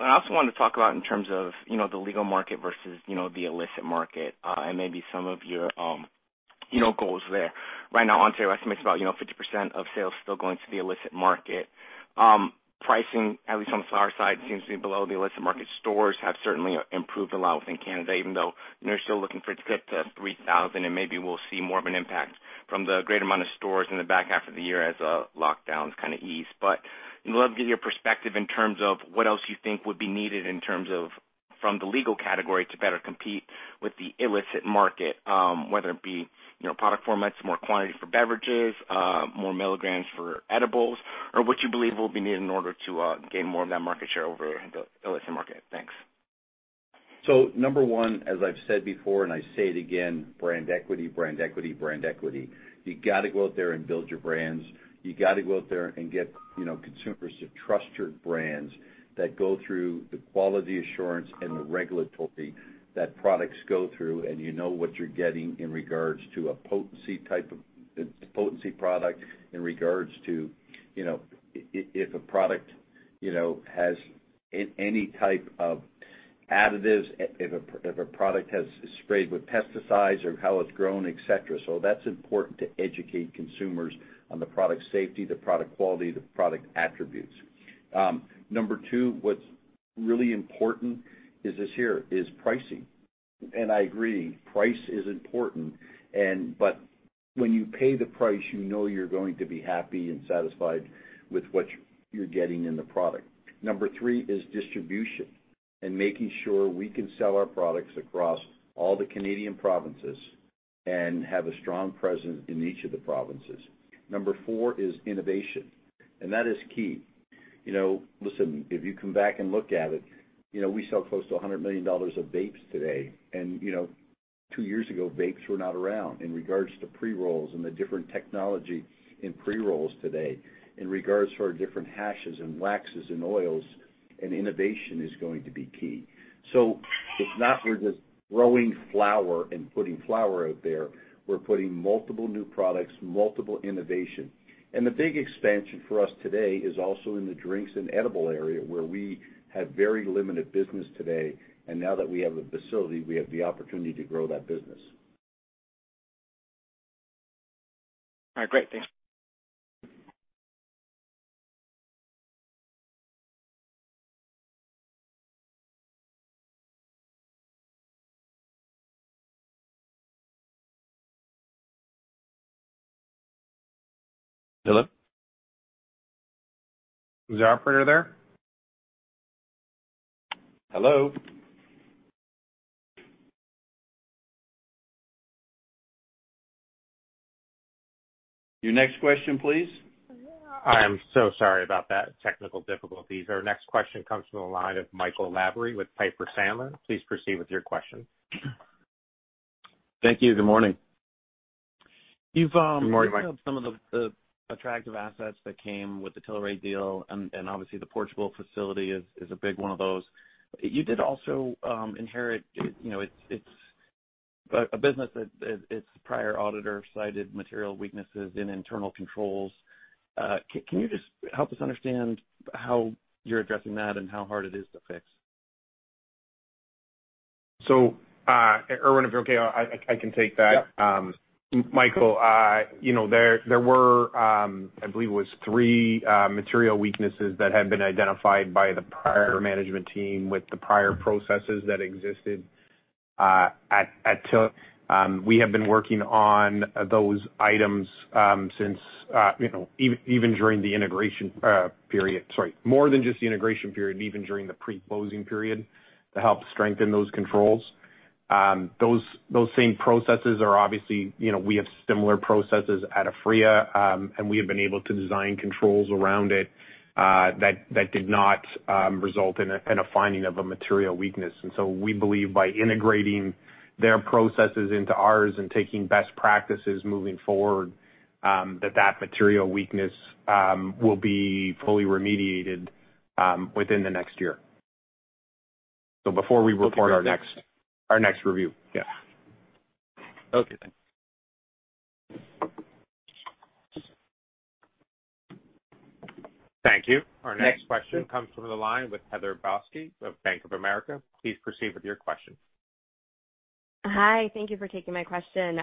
I also wanted to talk about in terms of the legal market versus the illicit market, and maybe some of your goals there. Right now, on sale estimates, about 50% of sales still going to the illicit market. Pricing, at least on our side, seems to be below the illicit market. Stores have certainly improved a lot within Canada, even though they're still looking for to get to 3,000, and maybe we'll see more of an impact from the greater amount of stores in the back half of the year as lockdowns kind of ease. I'd love to get your perspective in terms of what else you think would be needed in terms of from the legal category to better compete with the illicit market, whether it be product formats, more quantity for beverages, more milligrams for edibles, or what you believe will be needed in order to gain more of that market share over the illicit market? Thanks. Number one, as I've said before, and I say it again, brand equity, brand equity, brand equity. You got to go out there and build your brands. You got to go out there and get consumers to trust your brands that go through the quality assurance and the regulatory that products go through, and you know what you're getting in regards to a potency product, in regards to if a product has any type of additives, if a product has sprayed with pesticides or how it's grown, et cetera. That's important to educate consumers on the product safety, the product quality, the product attributes. Number two, what's really important is this here, is pricing. I agree, price is important. When you pay the price, you know you're going to be happy and satisfied with what you're getting in the product. Number three is distribution and making sure we can sell our products across all the Canadian provinces and have a strong presence in each of the provinces. Number four is innovation, and that is key. Listen, if you come back and look at it, we sell close to $100 million of vapes today, and two years ago, vapes were not around. In regards to pre-rolls and the different technology in pre-rolls today, in regards to our different hashes and waxes and oils, and innovation is going to be key. It's not we're just growing flower and putting flower out there. We're putting multiple new products, multiple innovation. The big expansion for us today is also in the drinks and edible area where we have very limited business today. Now that we have a facility, we have the opportunity to grow that business. All right, great. Thanks. Hello? Is the operator there? Hello? Your next question, please. I am so sorry about that, technical difficulties. Our next question comes from the line of Michael Lavery with Piper Sandler. Please proceed with your question. Thank you. Good morning. Good morning, Michael. You've talked about some of the attractive assets that came with the Tilray deal, and obviously the Portugal facility is a big one of those. You did also inherit its business that its prior auditor cited material weaknesses in internal controls. Can you just help us understand how you're addressing that and how hard it is to fix? Irwin, if you're okay, I can take that. Yep. Michael, there were, I believe it was three material weaknesses that had been identified by the prior management team with the prior processes that existed at Tilray. We have been working on those items since, even during the integration period Sorry, more than just the integration period and even during the pre-closing period to help strengthen those controls. Those same processes are obviously, we have similar processes at Aphria, and we have been able to design controls around it, that did not result in a finding of a material weakness. We believe by integrating their processes into ours and taking best practices moving forward, that that material weakness will be fully remediated within the next year. Before we report our next review. Yeah. Okay, thanks. Thank you. Our next question comes from the line with Heather Balsky of Bank of America. Please proceed with your question. Hi. Thank you for taking my question.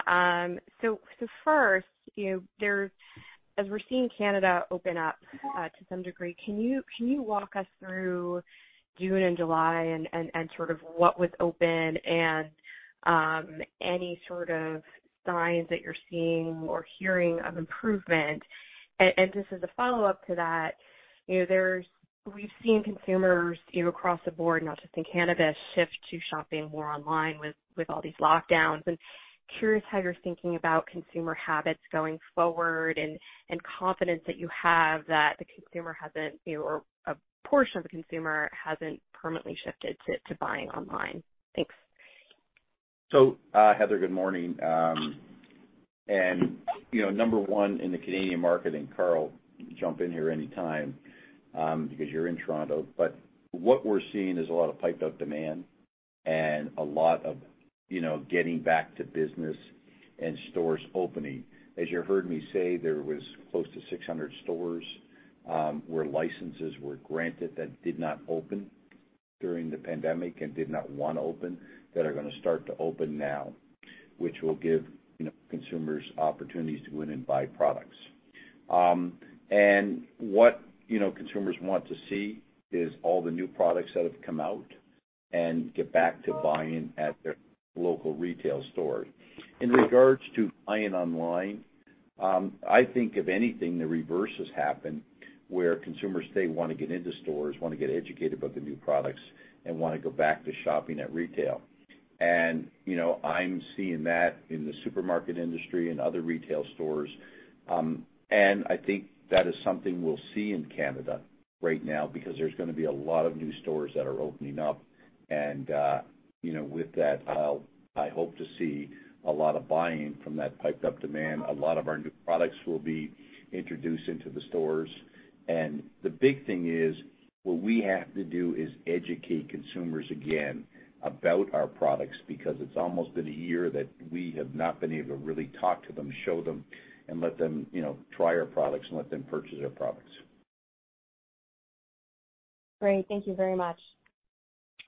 First, as we're seeing Canada open up to some degree, can you walk us through June and July and sort of what was open and, any sort of signs that you're seeing or hearing of improvement? Just as a follow-up to that, we've seen consumers across the board, not just in Canada, shift to shopping more online with all these lockdowns. Curious how you're thinking about consumer habits going forward and confidence that you have that the consumer hasn't, or a portion of the consumer hasn't permanently shifted to buying online. Thanks. Heather, good morning. Number one in the Canadian market, and Carl, jump in here anytime, because you're in Toronto, but what we're seeing is a lot of piped up demand and a lot of getting back to business and stores opening. As you heard me say, there was close to 600 stores, where licenses were granted that did not open during the pandemic and did not want to open, that are going to start to open now, which will give consumers opportunities to go in and buy products. What consumers want to see is all the new products that have come out and get back to buying at their local retail store. In regards to buying online, I think if anything, the reverse has happened, where consumers, they want to get into stores, want to get educated about the new products, and want to go back to shopping at retail. I'm seeing that in the supermarket industry and other retail stores. I think that is something we'll see in Canada right now because there's going to be a lot of new stores that are opening up. With that, I hope to see a lot of buying from that piped up demand. A lot of our new products will be introduced into the stores. The big thing is what we have to do is educate consumers again about our products, because it's almost been a year that we have not been able to really talk to them, show them, and let them try our products and let them purchase our products. Great. Thank you very much.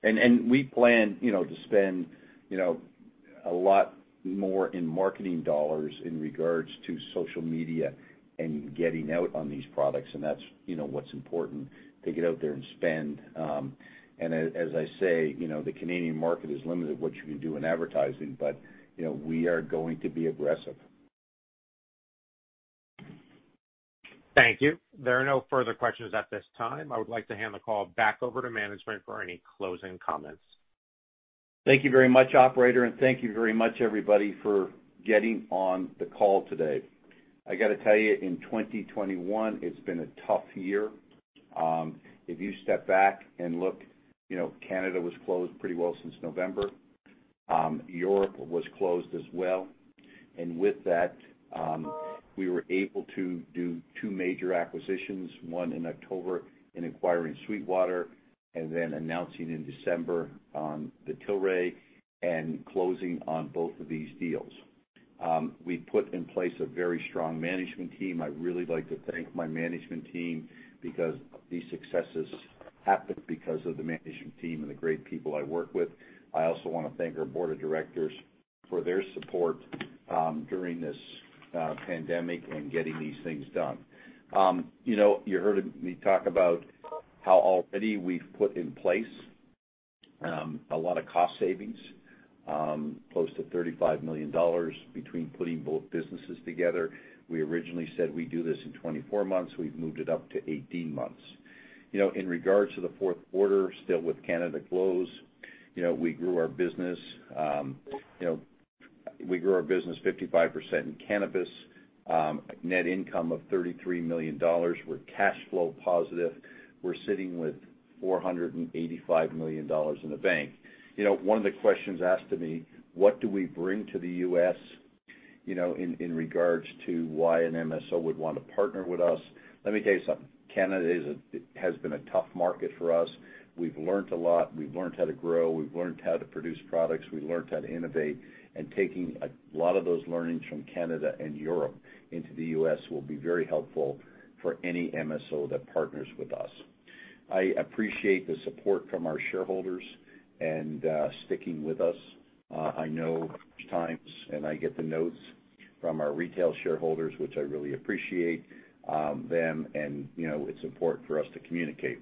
We plan to spend a lot more in marketing dollars in regards to social media and getting out on these products. That is what is important, to get out there and spend. As I say, the Canadian market is limited what you can do in advertising. We are going to be aggressive. Thank you. There are no further questions at this time. I would like to hand the call back over to management for any closing comments. Thank you very much, operator. Thank you very much, everybody, for getting on the call today. I got to tell you, in 2021, it's been a tough year. If you step back and look, Canada was closed pretty well since November. Europe was closed as well. With that, we were able to do two major acquisitions, one in October in acquiring SweetWater and then announcing in December on the Tilray and closing on both of these deals. We put in place a very strong management team. I'd really like to thank my management team because these successes happened because of the management team and the great people I work with. I also want to thank our board of directors for their support during this pandemic and getting these things done. You heard me talk about how already we've put in place a lot of cost savings, close to $35 million between putting both businesses together. We originally said we'd do this in 24 months. We've moved it up to 18 months. In regards to the fourth quarter, still with Canada closed, we grew our business 55% in cannabis, net income of $33 million. We're cash flow positive. We're sitting with $485 million in the bank. One of the questions asked to me, what do we bring to the U.S. in regards to why an MSO would want to partner with us? Let me tell you something. Canada has been a tough market for us. We've learned a lot. We've learned how to grow. We've learned how to produce products. We learned how to innovate. Taking a lot of those learnings from Canada and Europe into the U.S. will be very helpful for any MSO that partners with us. I appreciate the support from our shareholders and sticking with us. I know times, and I get the notes from our retail shareholders, which I really appreciate them, and it's important for us to communicate.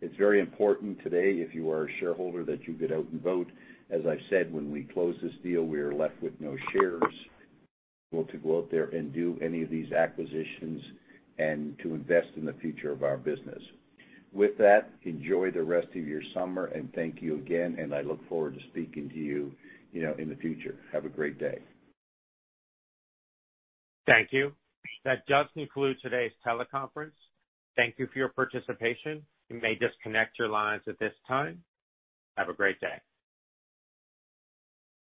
It's very important today, if you are a shareholder, that you get out and vote. As I've said, when we close this deal, we are left with no shares. We hope to go out there and do any of these acquisitions and to invest in the future of our business. With that, enjoy the rest of your summer. Thank you again. I look forward to speaking to you in the future. Have a great day. Thank you. That does conclude today's teleconference. Thank you for your participation. You may disconnect your lines at this time. Have a great day.